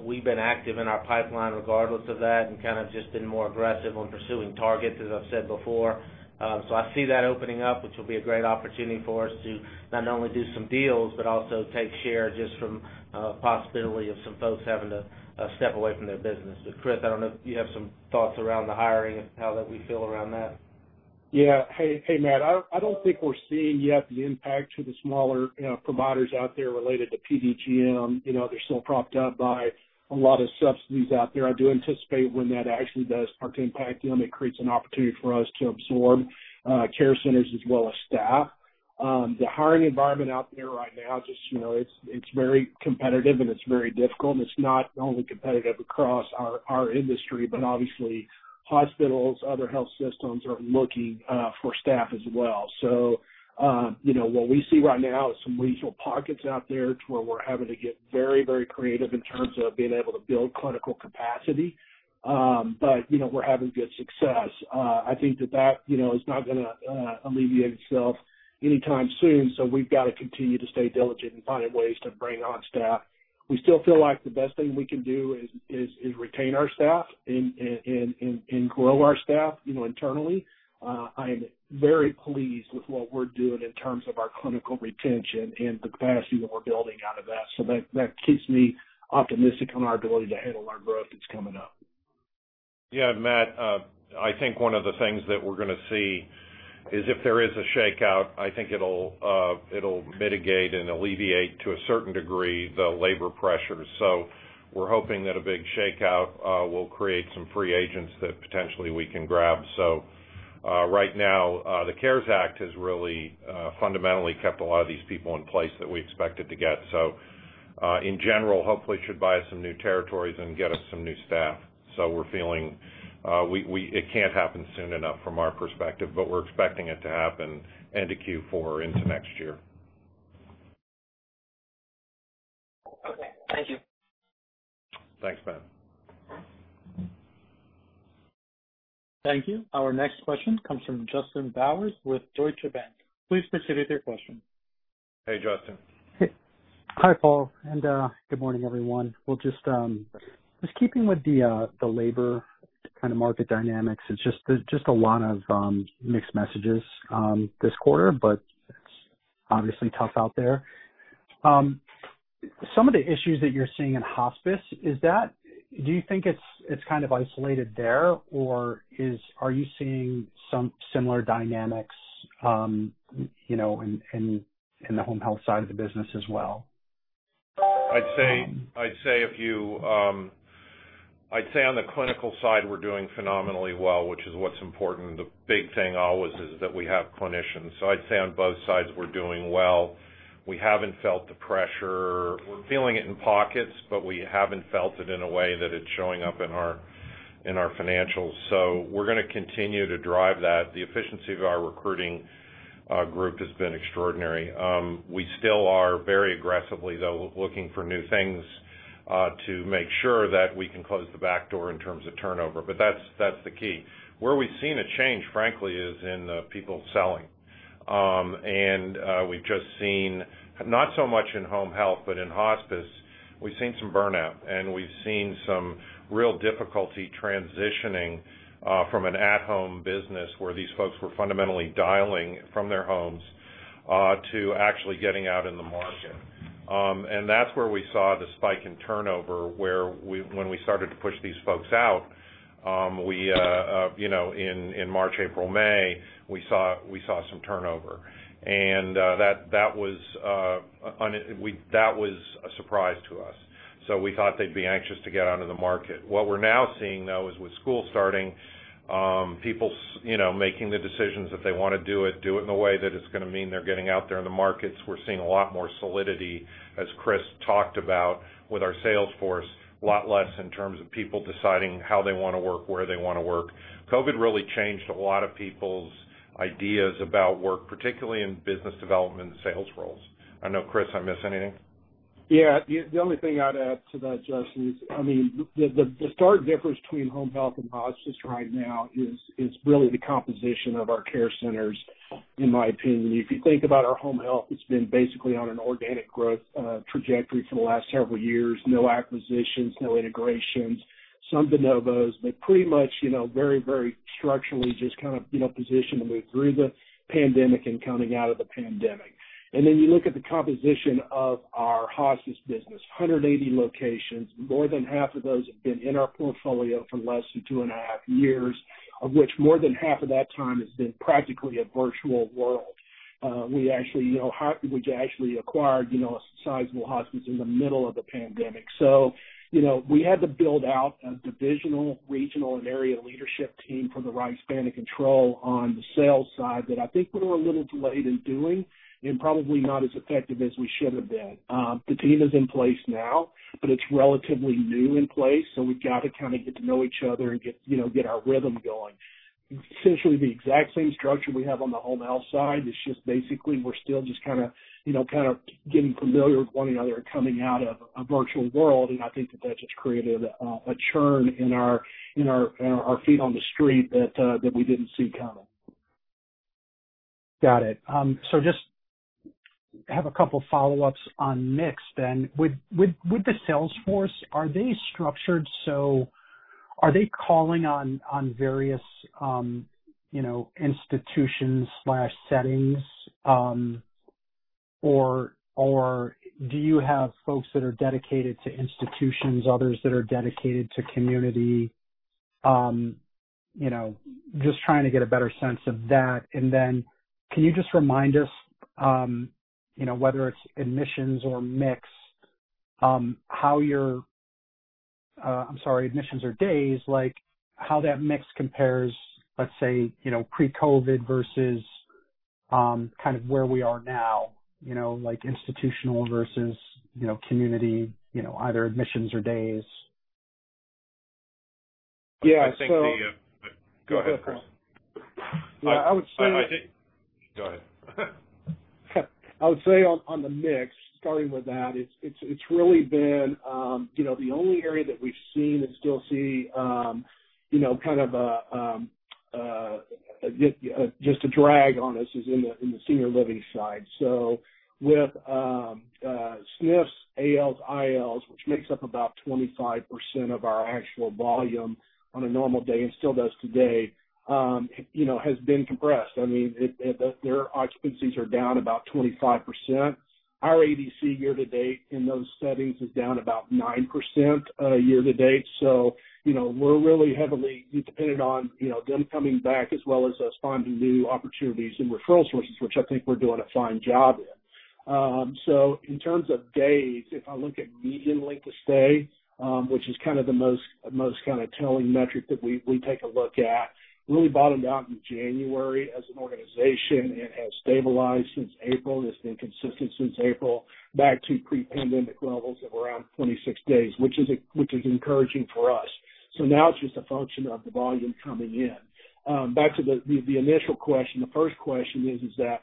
We've been active in our pipeline regardless of that and just been more aggressive on pursuing targets, as I've said before. I see that opening up, which will be a great opportunity for us to not only do some deals, but also take share just from possibility of some folks having to step away from their business. Chris, I don't know if you have some thoughts around the hiring and how that we feel around that. Hey, Matt. I don't think we're seeing yet the impact to the smaller providers out there related to PDGM. They're still propped up by a lot of subsidies out there. I do anticipate when that actually does start to impact them, it creates an opportunity for us to absorb care centers as well as staff. The hiring environment out there right now, it's very competitive and it's very difficult, and it's not only competitive across our industry, but obviously hospitals, other health systems are looking for staff as well. What we see right now is some regional pockets out there to where we're having to get very creative in terms of being able to build clinical capacity, but we're having good success. I think that that is not going to alleviate itself anytime soon. We've got to continue to stay diligent and find ways to bring on staff. We still feel like the best thing we can do is retain our staff and grow our staff internally. I am very pleased with what we're doing in terms of our clinical retention and the capacity that we're building out of that. That keeps me optimistic on our ability to handle our growth that's coming up. Yeah, Matt, I think one of the things that we're going to see is if there is a shakeout, I think it'll mitigate and alleviate, to a certain degree, the labor pressures. We're hoping that a big shakeout will create some free agents that potentially we can grab. Right now, the CARES Act has really fundamentally kept a lot of these people in place that we expected to get. In general, hopefully it should buy us some new territories and get us some new staff. We're feeling it can't happen soon enough from our perspective, but we're expecting it to happen end of Q4 into next year. Okay. Thank you. Thanks, Matt. Thank you. Our next question comes from Justin Bowers with Deutsche Bank. Please proceed with your question. Hey, Justin. Hi, Paul, good morning, everyone. Just keeping with the labor market dynamics, there's just a lot of mixed messages this quarter, but it's obviously tough out there. Some of the issues that you're seeing in hospice, do you think it's kind of isolated there, or are you seeing some similar dynamics in the home health side of the business as well? I'd say on the clinical side, we're doing phenomenally well, which is what's important. The big thing always is that we have clinicians. I'd say on both sides, we're doing well. We haven't felt the pressure. We're feeling it in pockets, but we haven't felt it in a way that it's showing up in our financials. We're going to continue to drive that. The efficiency of our recruiting group has been extraordinary. We still are very aggressively, though, looking for new things to make sure that we can close the back door in terms of turnover. That's the key. Where we've seen a change, frankly, is in people selling. We've just seen, not so much in home health, but in hospice, we've seen some burnout, and we've seen some real difficulty transitioning from an at-home business where these folks were fundamentally dialing from their homes, to actually getting out in the market. That's where we saw the spike in turnover, when we started to push these folks out. In March, April, May, we saw some turnover. That was a surprise to us. We thought they'd be anxious to get out on the market. What we're now seeing, though, is with school starting, people making the decisions if they want to do it, do it in a way that it's going to mean they're getting out there in the markets. We're seeing a lot more solidity, as Chris talked about, with our sales force, a lot less in terms of people deciding how they want to work, where they want to work. COVID really changed a lot of people's ideas about work, particularly in business development and sales roles. I know, Chris, did I miss anything? Yeah. The only thing I'd add to that, Justin, is, the stark difference between home health and hospice right now is really the composition of our care centers, in my opinion. If you think about our home health, it's been basically on an organic growth trajectory for the last several years. No acquisitions, no integrations. Some de novos, but pretty much very structurally just kind of positioned to move through the pandemic and coming out of the pandemic. You look at the composition of our hospice business. 180 locations. More than half of those have been in our portfolio for less than two and a half years, of which more than half of that time has been practically a virtual world. We actually acquired a sizable hospice in the middle of the pandemic. We had to build out a divisional, regional, and area leadership team for the right span of control on the sales side that I think we're a little delayed in doing and probably not as effective as we should have been. The team is in place now, but it's relatively new in place, so we've got to kind of get to know each other and get our rhythm going. Essentially the exact same structure we have on the home health side. It's just basically we're still just kind of getting familiar with one another coming out of a virtual world, and I think that just created a churn in our feet on the street that we didn't see coming. Got it. Just have a couple follow-ups on mix then. With the sales force, are they structured so are they calling on various institutions/settings? Or do you have folks that are dedicated to institutions, others that are dedicated to community? Just trying to get a better sense of that. Can you just remind us, whether it's admissions or mix, I'm sorry, admissions or days, how that mix compares, let's say, pre-COVID versus where we are now, like institutional versus community, either admissions or days? Yeah. Go ahead, Chris. I would say- Go ahead. I would say on the mix, starting with that, it's really been the only area that we've seen and still see just a drag on us is in the senior living side. With SNFs, ALs, ILs, which makes up about 25% of our actual volume on a normal day and still does today, has been compressed. Their occupancies are down about 25%. Our ADC year to date in those settings is down about 9% year to date. We're really heavily dependent on them coming back as well as us finding new opportunities and referral sources, which I think we're doing a fine job in. In terms of days, if I look at median length of stay, which is the most telling metric that we take a look at, really bottomed out in January as an organization and has stabilized since April. It's been consistent since April, back to pre-pandemic levels of around 26 days, which is encouraging for us. Now it's just a function of the volume coming in. Back to the initial question, the first question is that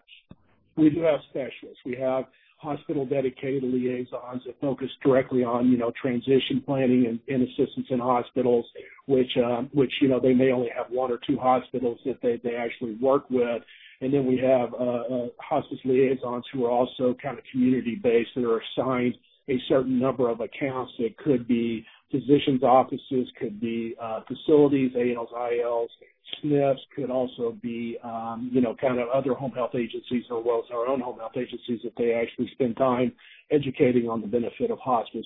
we do have specialists. We have hospital-dedicated liaisons that focus directly on transition planning and assistance in hospitals, which they may only have one or two hospitals that they actually work with. We have hospice liaisons who are also community-based, that are assigned a certain number of accounts. It could be physicians' offices, could be facilities, ALFs, ILFs, SNFs. Could also be other home health agencies, as well as our own home health agencies, that they actually spend time educating on the benefit of hospice.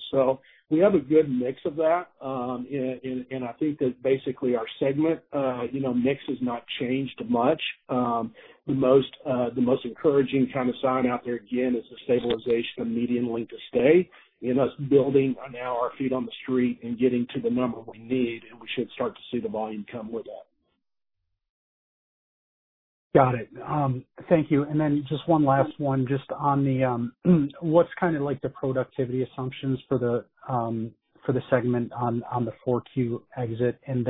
We have a good mix of that, and I think that basically our segment mix has not changed much. The most encouraging sign out there, again, is the stabilization of median length of stay, and us building now our feet on the street and getting to the number we need, and we should start to see the volume come with that. Got it. Thank you. Just one last one, just on the, what's the productivity assumptions for the segment on the 4Q exit? In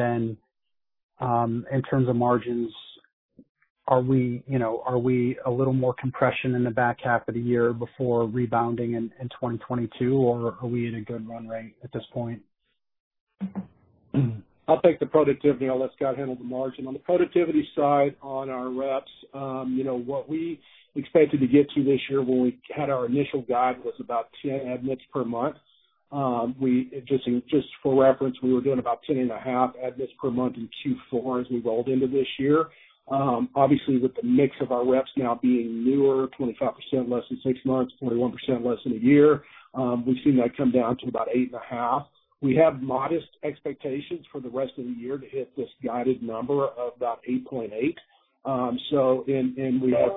terms of margins, are we a little more compression in the back half of the year before rebounding in 2022, or are we at a good run rate at this point? I'll take the productivity. I'll let Scott handle the margin. On the productivity side, on our reps, what we expected to get to this year when we had our initial guide was about 10 admits per month. Just for reference, we were doing about 10.5 admits per month in Q4 as we rolled into this year. Obviously, with the mix of our reps now being newer, 25% less than six months, 21% less than a year, we've seen that come down to about 8.5. We have modest expectations for the rest of the year to hit this guided number of about 8.8. We have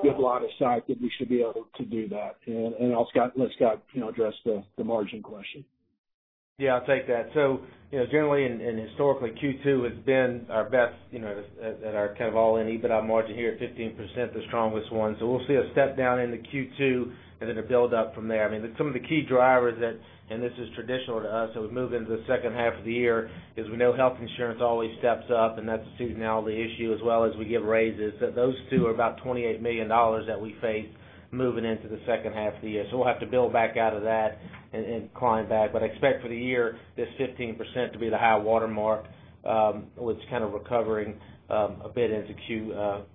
good line of sight that we should be able to do that. I'll let Scott address the margin question. Yeah, I'll take that. Generally, and historically, Q2 has been our best at our all-in EBITDA margin here, 15%, the strongest one. We'll see a step down into Q2, and then a build up from there. Some of the key drivers that, and this is traditional to us as we move into the second half of the year, is we know health insurance always steps up, and that's a seasonality issue as well as we give raises. Those two are about $28 million that we face moving into the second half of the year. We'll have to build back out of that and climb back. Expect for the year, this 15% to be the high watermark, with recovering a bit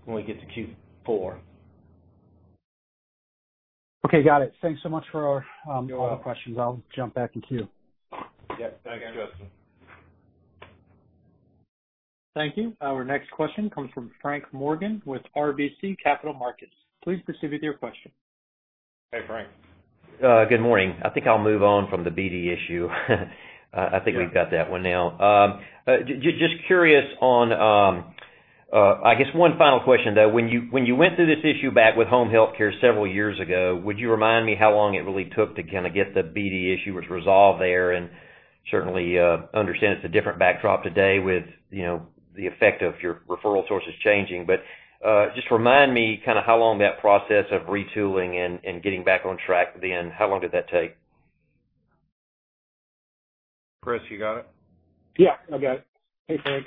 when we get to Q4. Okay, got it. Thanks so much for all the questions. I'll jump back in queue. Yes. Thanks, Justin. Thank you. Thank you. Our next question comes from Frank Morgan with RBC Capital Markets. Please proceed with your question. Hey, Frank. Good morning. I think I'll move on from the BD issue. I think we've got that one now. Just curious on, I guess one final question, though. When you went through this issue back with home health care several years ago, would you remind me how long it really took to get the BD issue was resolved there? Certainly, understand it's a different backdrop today with the effect of your referral sources changing. Just remind me how long that process of retooling and getting back on track then, how long did that take? Chris, you got it? Yeah, I got it. Hey, Frank.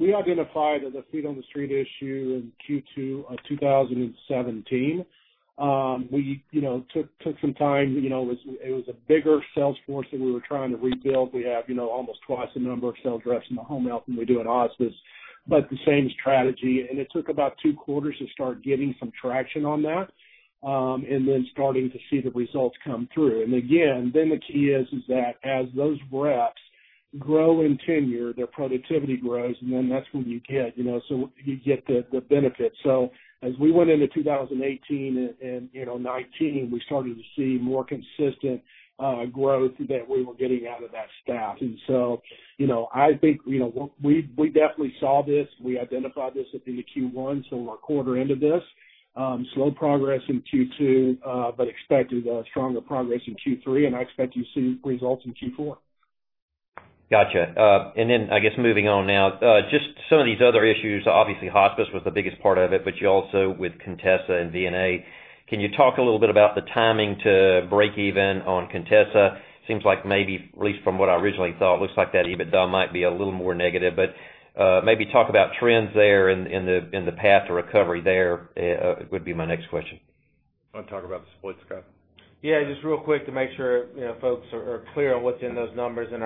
We identified the feet-on-the-street issue in Q2 of 2017. We took some time. It was a bigger sales force that we were trying to rebuild. We have almost twice the number of sales reps in the home health than we do in hospice, but the same strategy. It took about two quarters to start getting some traction on that, and then starting to see the results come through. Again, then the key is that as those reps grow in tenure, their productivity grows, and then that's when you get the benefit. As we went into 2018 and '19, we started to see more consistent growth that we were getting out of that staff. I think we definitely saw this. We identified this at the Q1, so we're a quarter into this. Slow progress in Q2, but expected stronger progress in Q3, and I expect you to see results in Q4. Gotcha. I guess moving on now, just some of these other issues. Obviously, hospice was the biggest part of it, you also with Contessa and VNA. Can you talk a little bit about the timing to break even on Contessa? Seems like maybe, at least from what I originally thought, looks like that EBITDA might be a little more negative, maybe talk about trends there and the path to recovery there, would be my next question. Want to talk about the splits, Scott? Yeah. Just real quick to make sure folks are clear on what's in those numbers and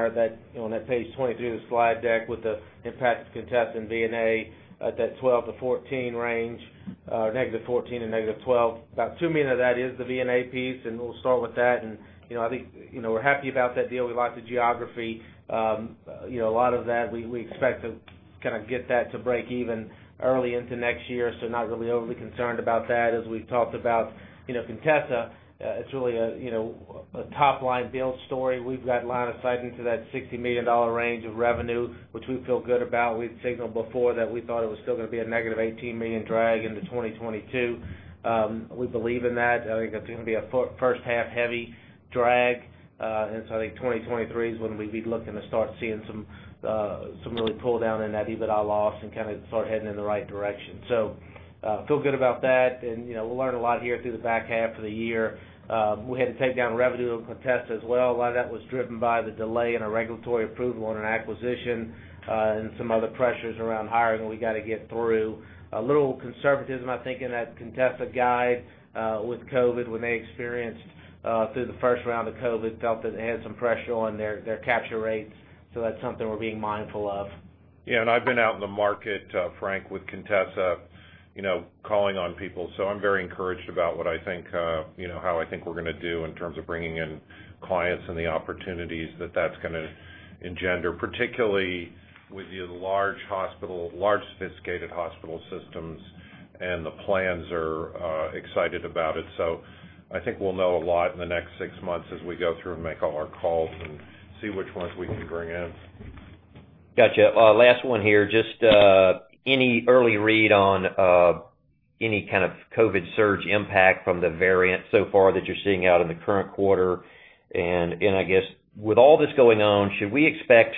on that page 22 of the slide deck with the impact of Contessa and VNA at that 12 to 14 range, -14 and -12. About $2 million of that is the VNA piece, we'll start with that. I think we're happy about that deal. We like the geography. A lot of that, we expect to get that to break even early into next year, not really overly concerned about that. As we've talked about Contessa, it's really a top-line build story. We've got line of sight into that $60 million range of revenue, which we feel good about. We've signaled before that we thought it was still going to be a -$18 million drag into 2022. We believe in that. I think that's going to be a first half heavy drag. I think 2023 is when we'd be looking to start seeing some really pull down in that EBITDA loss and start heading in the right direction. Feel good about that, and we'll learn a lot here through the back half of the year. We had to take down revenue on Contessa as well. A lot of that was driven by the delay in a regulatory approval on an acquisition, and some other pressures around hiring we got to get through. A little conservatism, I think, in that Contessa guide, with COVID, when they experienced through the first round of COVID, felt that it had some pressure on their capture rates. That's something we're being mindful of. Yeah, and I've been out in the market, Frank, with Contessa, calling on people. I'm very encouraged about how I think we're going to do in terms of bringing in clients and the opportunities that that's going to engender, particularly with the large sophisticated hospital systems, and the plans are excited about it. I think we'll know a lot in the next six months as we go through and make all our calls and see which ones we can bring in. Got you. Last one here. Just any early read on any kind of COVID surge impact from the variant so far that you're seeing out in the current quarter? I guess, with all this going on, should we expect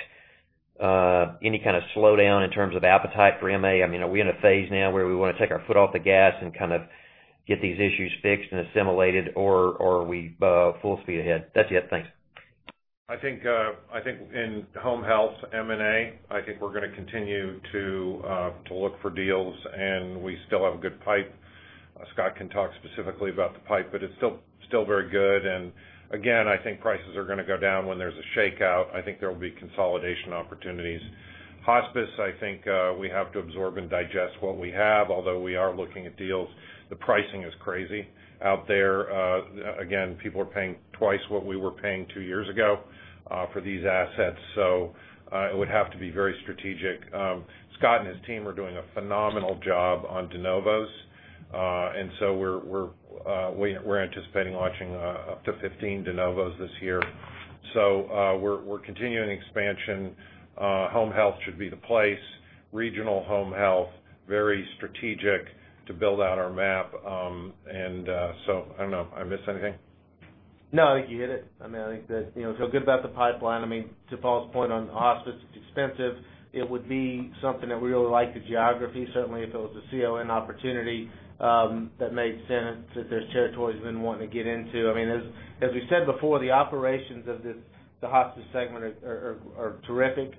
any kind of slowdown in terms of appetite for MA? Are we in a phase now where we want to take our foot off the gas and get these issues fixed and assimilated, or are we full speed ahead? That's it. Thanks. I think in home health M&A, I think we're going to continue to look for deals, and we still have a good pipe. Scott can talk specifically about the pipe, but it's still very good. Again, I think prices are going to go down when there's a shakeout. I think there will be consolidation opportunities. Hospice, I think we have to absorb and digest what we have, although we are looking at deals. The pricing is crazy out there. Again, people are paying twice what we were paying two years ago for these assets. It would have to be very strategic. Scott and his team are doing a phenomenal job on de novos. We're anticipating launching up to 15 de novos this year. We're continuing expansion. Home health should be the place. Regional home health, very strategic to build out our map. I don't know, did I miss anything? No, I think you hit it. I feel good about the pipeline. To Paul's point on hospice, it's expensive. It would be something that we really like the geography, certainly if it was a CON opportunity that made sense, that there's territories we've been wanting to get into. As we said before, the operations of the hospice segment are terrific.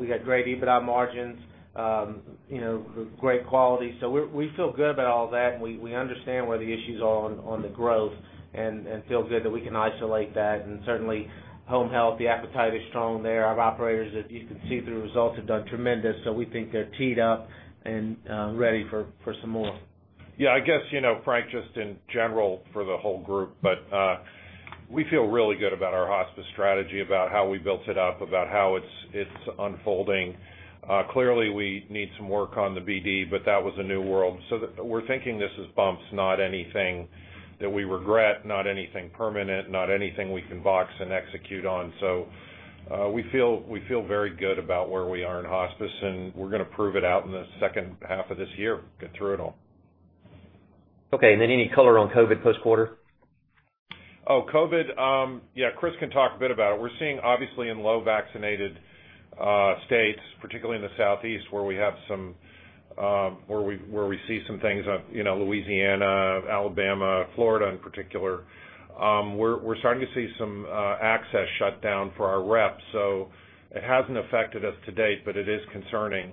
We got great EBITDA margins, great quality. We feel good about all that, and we understand where the issues are on the growth, and feel good that we can isolate that. Certainly home health, the appetite is strong there. Our operators, as you can see through the results, have done tremendous. We think they're teed up and ready for some more. Yeah. I guess, Frank, just in general for the whole group, but we feel really good about our hospice strategy, about how we built it up, about how it's unfolding. Clearly, we need some work on the BD, That was a new world. We're thinking this as bumps, not anything that we regret, not anything permanent, not anything we can box and execute on. We feel very good about where we are in hospice, and we're going to prove it out in the second half of this year. Get through it all. Okay, any color on COVID post-quarter? Oh, COVID. Yeah, Chris can talk a bit about it. We're seeing, obviously, in low vaccinated states, particularly in the Southeast where we see some things, Louisiana, Alabama, Florida in particular. We're starting to see some access shut down for our reps. It hasn't affected us to date, but it is concerning.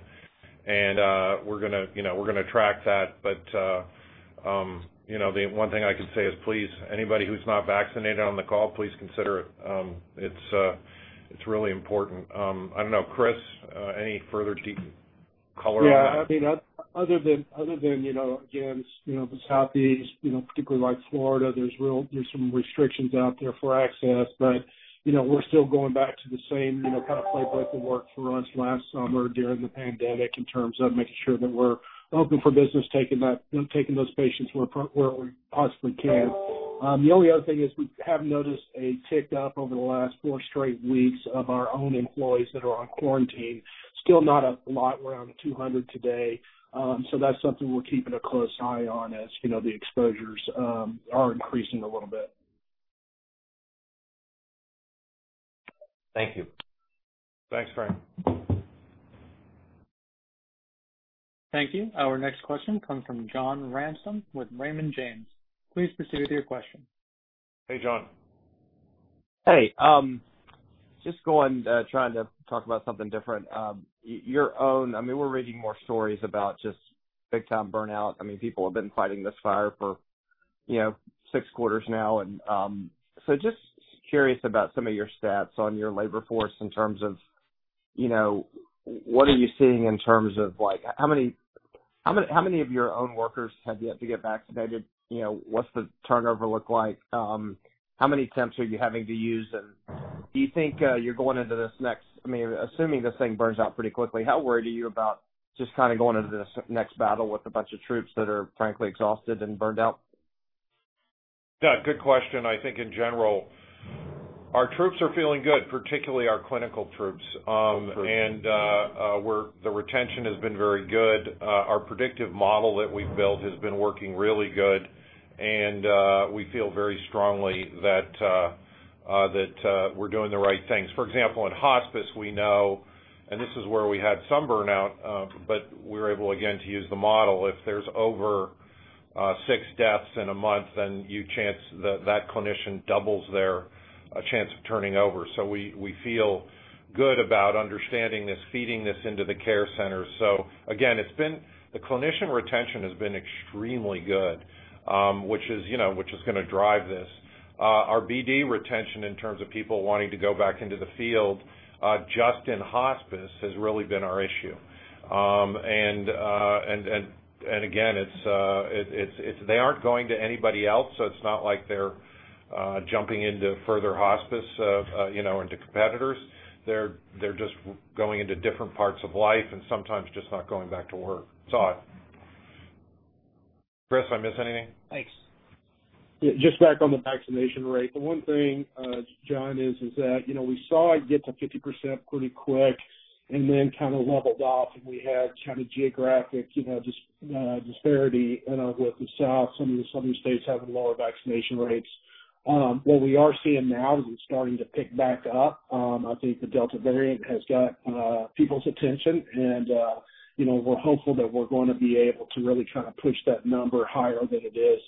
We're going to track that. The one thing I can say is please, anybody who's not vaccinated on the call, please consider it. It's really important. I don't know, Chris, any further deep color on that? Yeah. Other than, again, the Southeast, particularly like Florida, there's some restrictions out there for access. We're still going back to the same kind of playbook that worked for us last summer during the pandemic in terms of making sure that we're open for business, taking those patients where we possibly can. The only other thing is we have noticed a tick up over the last four straight weeks of our own employees that are on quarantine. Still not a lot. We're around 200 today. That's something we're keeping a close eye on as the exposures are increasing a little bit. Thank you. Thanks, Frank. Thank you. Our next question comes from John Ransom with Raymond James. Please proceed with your question. Hey, John. Trying to talk about something different. We're reading more stories about just big time burnout. People have been fighting this fire for six quarters now. Just curious about some of your stats on your labor force in terms of what are you seeing in terms of how many of your own workers have yet to get vaccinated? What's the turnover look like? How many temps are you having to use? Do you think, assuming this thing burns out pretty quickly, how worried are you about just going into this next battle with a bunch of troops that are frankly exhausted and burned out? Good question. I think in general, our troops are feeling good, particularly our clinical troops. Good. The retention has been very good. Our predictive model that we've built has been working really good, and we feel very strongly that we're doing the right things. For example, in hospice, we know, and this is where we had some burnout, but we were able, again, to use the model. If there's over six deaths in a month, that clinician doubles their chance of turning over. We feel good about understanding this, feeding this into the care centers. Again, the clinician retention has been extremely good, which is going to drive this. Our BD retention in terms of people wanting to go back into the field, just in hospice has really been our issue. Again, they aren't going to anybody else, so it's not like they're jumping into further hospice, into competitors. They're just going into different parts of life and sometimes just not going back to work. That's all. Chris, did I miss anything? Thanks. Just back on the vaccination rate. The one thing, John, is that we saw it get to 50% pretty quick and then kind of leveled off. We had geographic disparity with the South, some of the southern states having lower vaccination rates. What we are seeing now is it's starting to pick back up. I think the Delta variant has got people's attention. We're hopeful that we're going to be able to really push that number higher than it is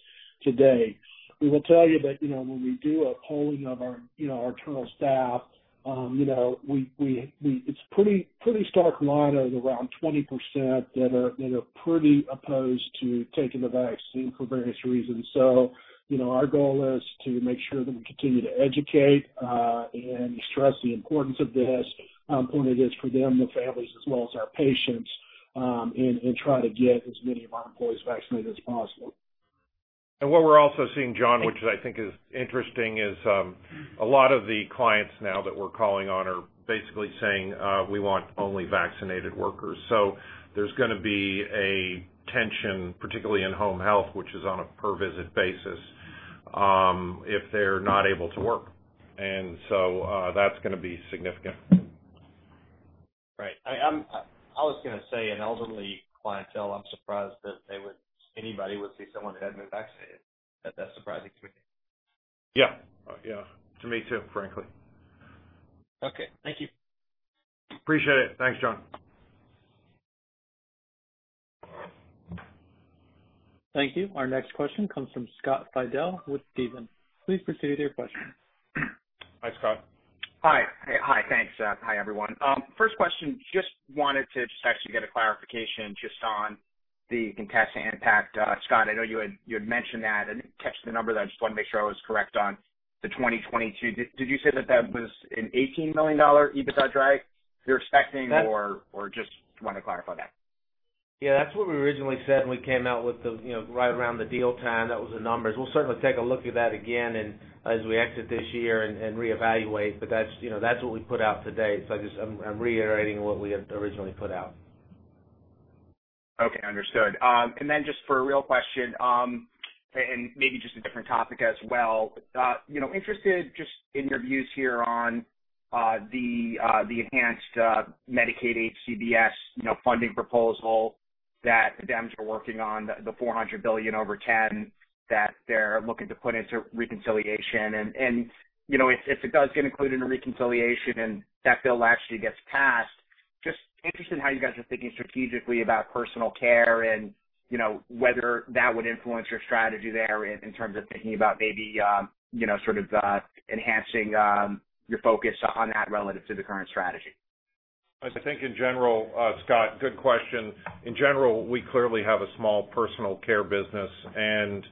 today. We will tell you that when we do a polling of our internal staff, it's pretty stark line at around 20% that are pretty opposed to taking the vaccine for various reasons. Our goal is to make sure that we continue to educate, and stress the importance of this, how important it is for them, their families, as well as our patients, and try to get as many of our employees vaccinated as possible. What we're also seeing, John, which I think is interesting, is a lot of the clients now that we're calling on are basically saying, "We want only vaccinated workers." There's going to be a tension, particularly in home health, which is on a per-visit basis, if they're not able to work. That's going to be significant. Right. I was going to say, in elderly clientele, I'm surprised that anybody would see someone who hadn't been vaccinated. That's surprising to me. Yeah. To me too, frankly. Okay. Thank you. Appreciate it. Thanks, John. Thank you. Our next question comes from Scott Fidel with Stephens. Please proceed with your question. Hi, Scott. Hi. Hey, hi. Thanks. Hi, everyone. First question, just wanted to actually get a clarification just on the Contessa impact. Scott, I know you had mentioned that. I didn't catch the number there. I just wanted to make sure I was correct on the 2022. Did you say that was an $18 million EBITDA drag you're expecting? Or just want to clarify that. Yeah, that's what we originally said when we came out with right around the deal time, that was the numbers. We'll certainly take a look at that again and as we exit this year and reevaluate. That's what we put out today. I'm reiterating what we had originally put out. Okay, understood. Just for a real question, maybe just a different topic as well. Interested just in your views here on the enhanced Medicaid HCBS funding proposal that the Dems are working on, the $400 billion over 10 that they're looking to put into reconciliation. If it does get included into reconciliation, and that bill actually gets passed, just interested in how you guys are thinking strategically about personal care and whether that would influence your strategy there in terms of thinking about maybe enhancing your focus on that relative to the current strategy. I think in general, Scott, good question. In general, we clearly have a small personal care business and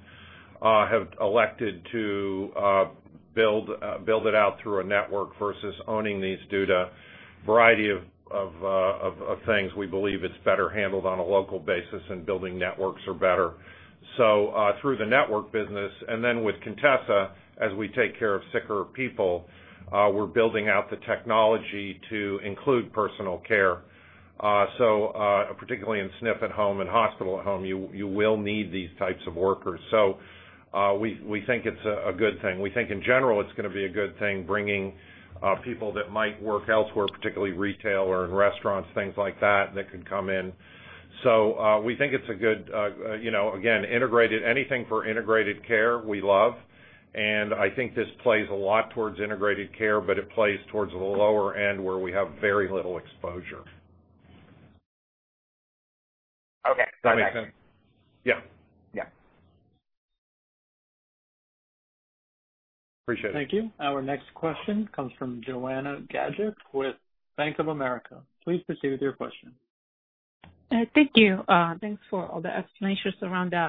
have elected to build it out through a network versus owning these due to a variety of things. We believe it's better handled on a local basis, and building networks are better. Through the network business and then with Contessa, as we take care of sicker people, we're building out the technology to include personal care. Particularly in SNF at home and hospital-at-home, you will need these types of workers. We think it's a good thing. We think in general, it's going to be a good thing bringing people that might work elsewhere, particularly retail or in restaurants, things like that could come in. Again, anything for integrated care, we love, and I think this plays a lot towards integrated care, but it plays towards the lower end where we have very little exposure. Okay. Got it. Yeah. Yeah. Appreciate it. Thank you. Our next question comes from Joanna Gajuk with Bank of America. Please proceed with your question. Thank you. Thanks for all the explanations around the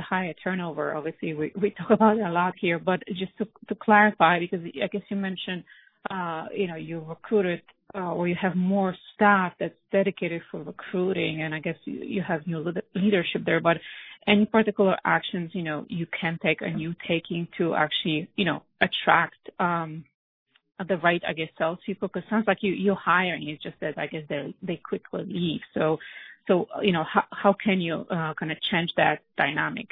higher turnover. Obviously, we talk about it a lot here. Just to clarify, because I guess you mentioned you recruited or you have more staff that's dedicated for recruiting, and I guess you have new leadership there. Any particular actions you can take or you're taking to actually attract the right salespeople? Sounds like you're hiring, it's just that I guess they quickly leave. How can you change that dynamic?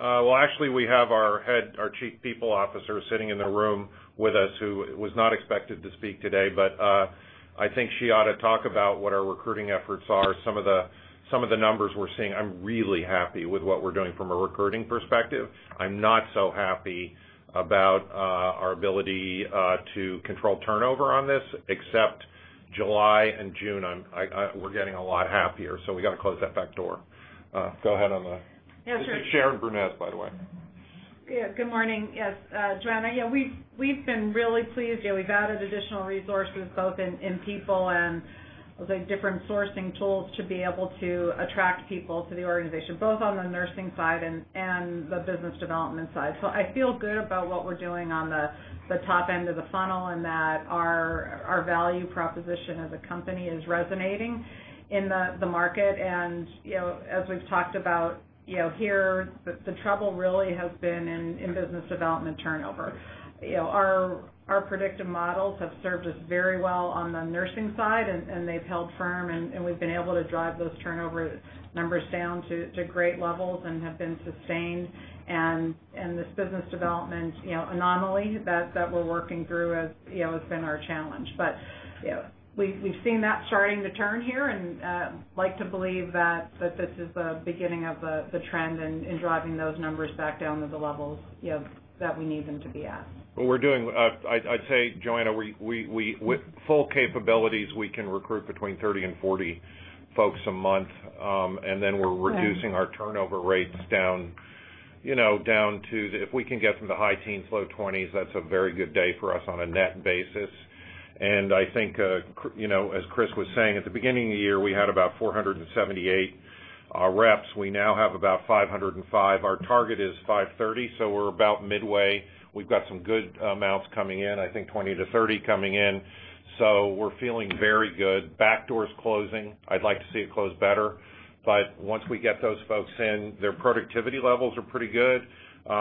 Well, actually, we have our Chief People Officer sitting in the room with us, who was not expected to speak today. I think she ought to talk about what our recruiting efforts are, some of the numbers we're seeing. I'm really happy with what we're doing from a recruiting perspective. I'm not so happy about our ability to control turnover on this, except July and June, we're getting a lot happier, so we've got to close that back door. Go ahead. Yeah, sure. This is Sharon Brunecz, by the way. Good morning. Yes, Joanna. We've been really pleased. We've added additional resources, both in people and different sourcing tools to be able to attract people to the organization, both on the nursing side and the business development side. I feel good about what we're doing on the top end of the funnel, and that our value proposition as a company is resonating in the market. As we've talked about here, the trouble really has been in business development turnover. Our predictive models have served us very well on the nursing side, and they've held firm, and we've been able to drive those turnover numbers down to great levels and have been sustained. This business development anomaly that we're working through has been our challenge. We've seen that starting to turn here, and like to believe that this is the beginning of the trend in driving those numbers back down to the levels that we need them to be at. Well, I'd say, Joanna, with full capabilities, we can recruit between 30 and 40 folks a month. We're reducing our turnover rates down to, if we can get from the high teens, low 20s, that's a very good day for us on a net basis. I think, as Chris was saying, at the beginning of the year, we had about 478 reps. We now have about 505. Our target is 530. We're about midway. We've got some good amounts coming in, I think 20 to 30 coming in. We're feeling very good. Back door is closing. I'd like to see it close better. Once we get those folks in, their productivity levels are pretty good.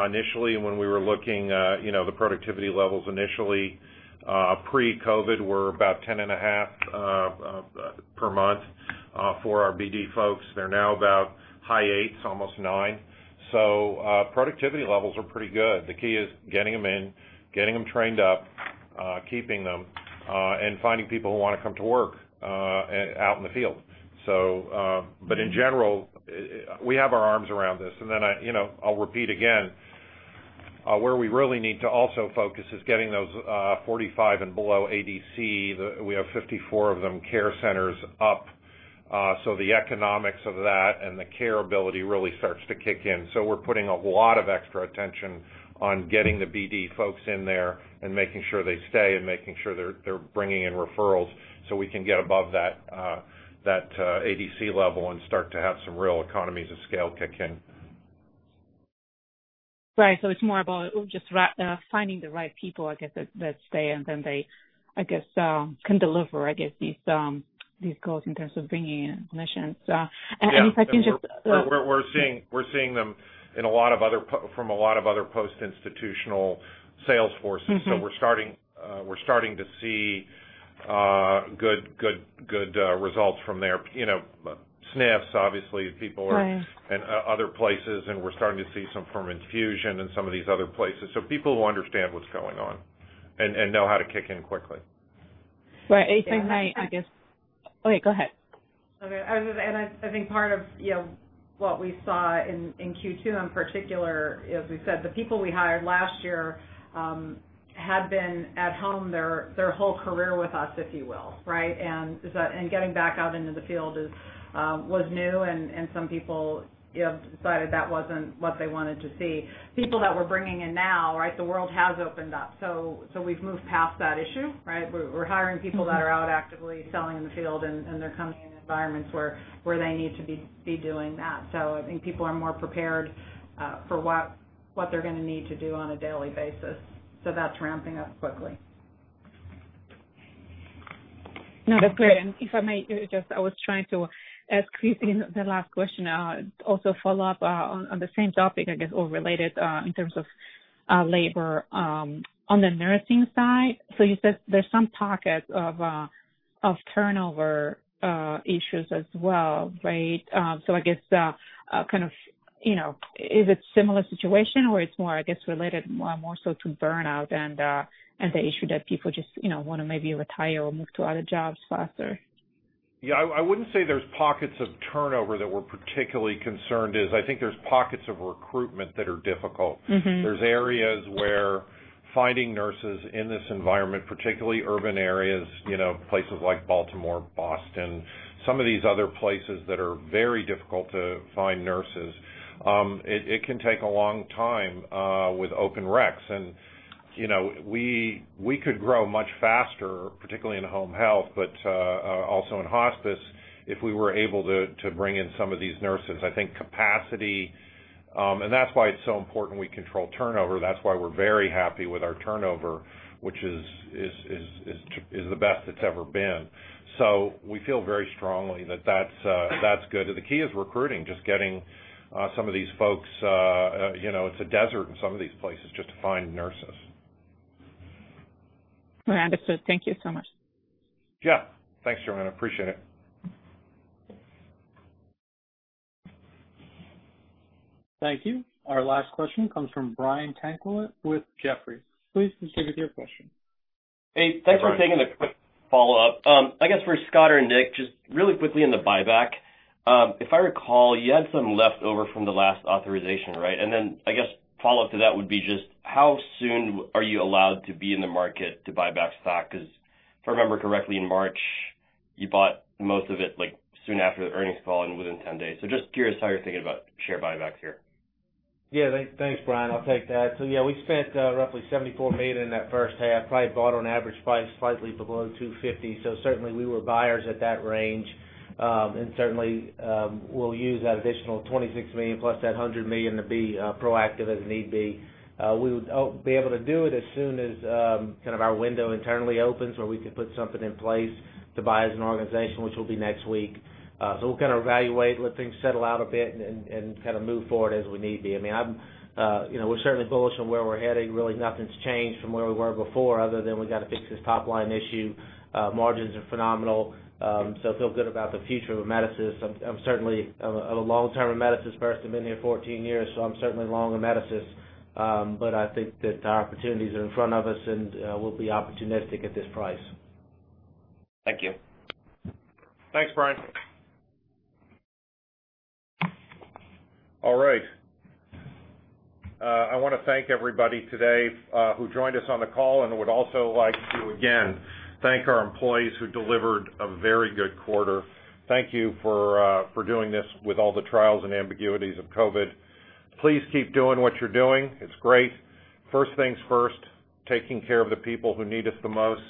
Initially, when we were looking, the productivity levels initially, pre-COVID, were about 10.5 per month for our BD folks. They're now about high eight, almost nine. Productivity levels are pretty good. The key is getting them in, getting them trained up, keeping them, and finding people who want to come to work out in the field. In general, we have our arms around this. I'll repeat again, where we really need to also focus is getting those 45 and below ADC, we have 54 of them, care centers up. The economics of that and the care ability really starts to kick in. We're putting a lot of extra attention on getting the BD folks in there and making sure they stay, and making sure they're bringing in referrals so we can get above that ADC level and start to have some real economies of scale kick in. Right. It's more about just finding the right people, I guess, that stay and then they, I guess, can deliver, I guess, these goals in terms of bringing in admissions. We're seeing them from a lot of other post-institutional sales forces. We're starting to see good results from there. SNFs, obviously, people are. Right Other places, and we're starting to see some from Infusion and some of these other places. People who understand what's going on and know how to kick in quickly. Right. I think I Okay, go ahead. Okay. I think part of what we saw in Q2 in particular is, we said the people we hired last year had been at home their whole career with us, if you will. Right? Getting back out into the field was new, and some people decided that wasn't what they wanted to see. People that we're bringing in now, the world has opened up. We've moved past that issue, right? We're hiring people that are out actively selling in the field, and they're coming in environments where they need to be doing that. I think people are more prepared for what they're going to need to do on a daily basis. That's ramping up quickly. No, that's great. If I may, I was trying to ask Chris in the last question, also follow up on the same topic, I guess, or related, in terms of labor. On the nursing side, you said there's some pockets of turnover issues as well, right? I guess, is it similar situation, or it's more, I guess, related more so to burnout and the issue that people just want to maybe retire or move to other jobs faster? Yeah, I wouldn't say there's pockets of turnover that we're particularly concerned is. I think there's pockets of recruitment that are difficult. There's areas where finding nurses in this environment, particularly urban areas, places like Baltimore, Boston, some of these other places that are very difficult to find nurses, it can take a long time, with open reqs. We could grow much faster, particularly in home health, but also in hospice, if we were able to bring in some of these nurses. I think capacity and that's why it's so important we control turnover. That's why we're very happy with our turnover, which is the best it's ever been. We feel very strongly that that's good. The key is recruiting, just getting some of these folks. It's a desert in some of these places just to find nurses. Understood. Thank you so much. Yeah. Thanks, Joanna. Appreciate it. Thank you. Our last question comes from Brian Tanquilut with Jefferies. Please proceed with your question. Hey. Hi. Thanks for taking the quick follow-up. I guess for Scott or Nick, just really quickly on the buyback. If I recall, you had some left over from the last authorization, right? I guess follow-up to that would be just how soon are you allowed to be in the market to buy back stock? If I remember correctly, in March you bought most of it soon after the earnings call and within 10 days. Just curious how you're thinking about share buybacks here. Thanks, Brian. I'll take that. We spent roughly $74 million in that first half. Probably bought on average price slightly below $250, certainly we were buyers at that range. Certainly, we'll use that additional $26 million plus that $100 million to be proactive as need be. We would be able to do it as soon as our window internally opens where we can put something in place to buy as an organization, which will be next week. We'll kind of evaluate, let things settle out a bit and kind of move forward as we need be. We're certainly bullish on where we're heading. Really nothing's changed from where we were before other than we got to fix this top-line issue. Margins are phenomenal. I feel good about the future of Amedisys. I'm certainly a long-term Amedisys person. Been here 14 years, I'm certainly long Amedisys. I think that our opportunities are in front of us, and we'll be opportunistic at this price. Thank you. Thanks, Brian Tanquilut. All right. I want to thank everybody today, who joined us on the call and would also like to again thank our employees who delivered a very good quarter. Thank you for doing this with all the trials and ambiguities of COVID. Please keep doing what you're doing. It's great. First things first, taking care of the people who need us the most.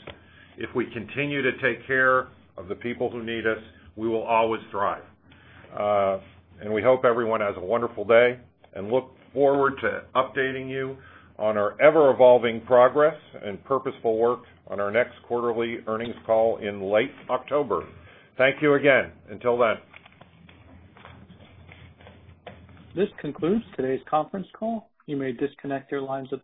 If we continue to take care of the people who need us, we will always thrive. We hope everyone has a wonderful day, and look forward to updating you on our ever-evolving progress and purposeful work on our next quarterly earnings call in late October. Thank you again. Until then. This concludes today's conference call. You may disconnect your lines at this time.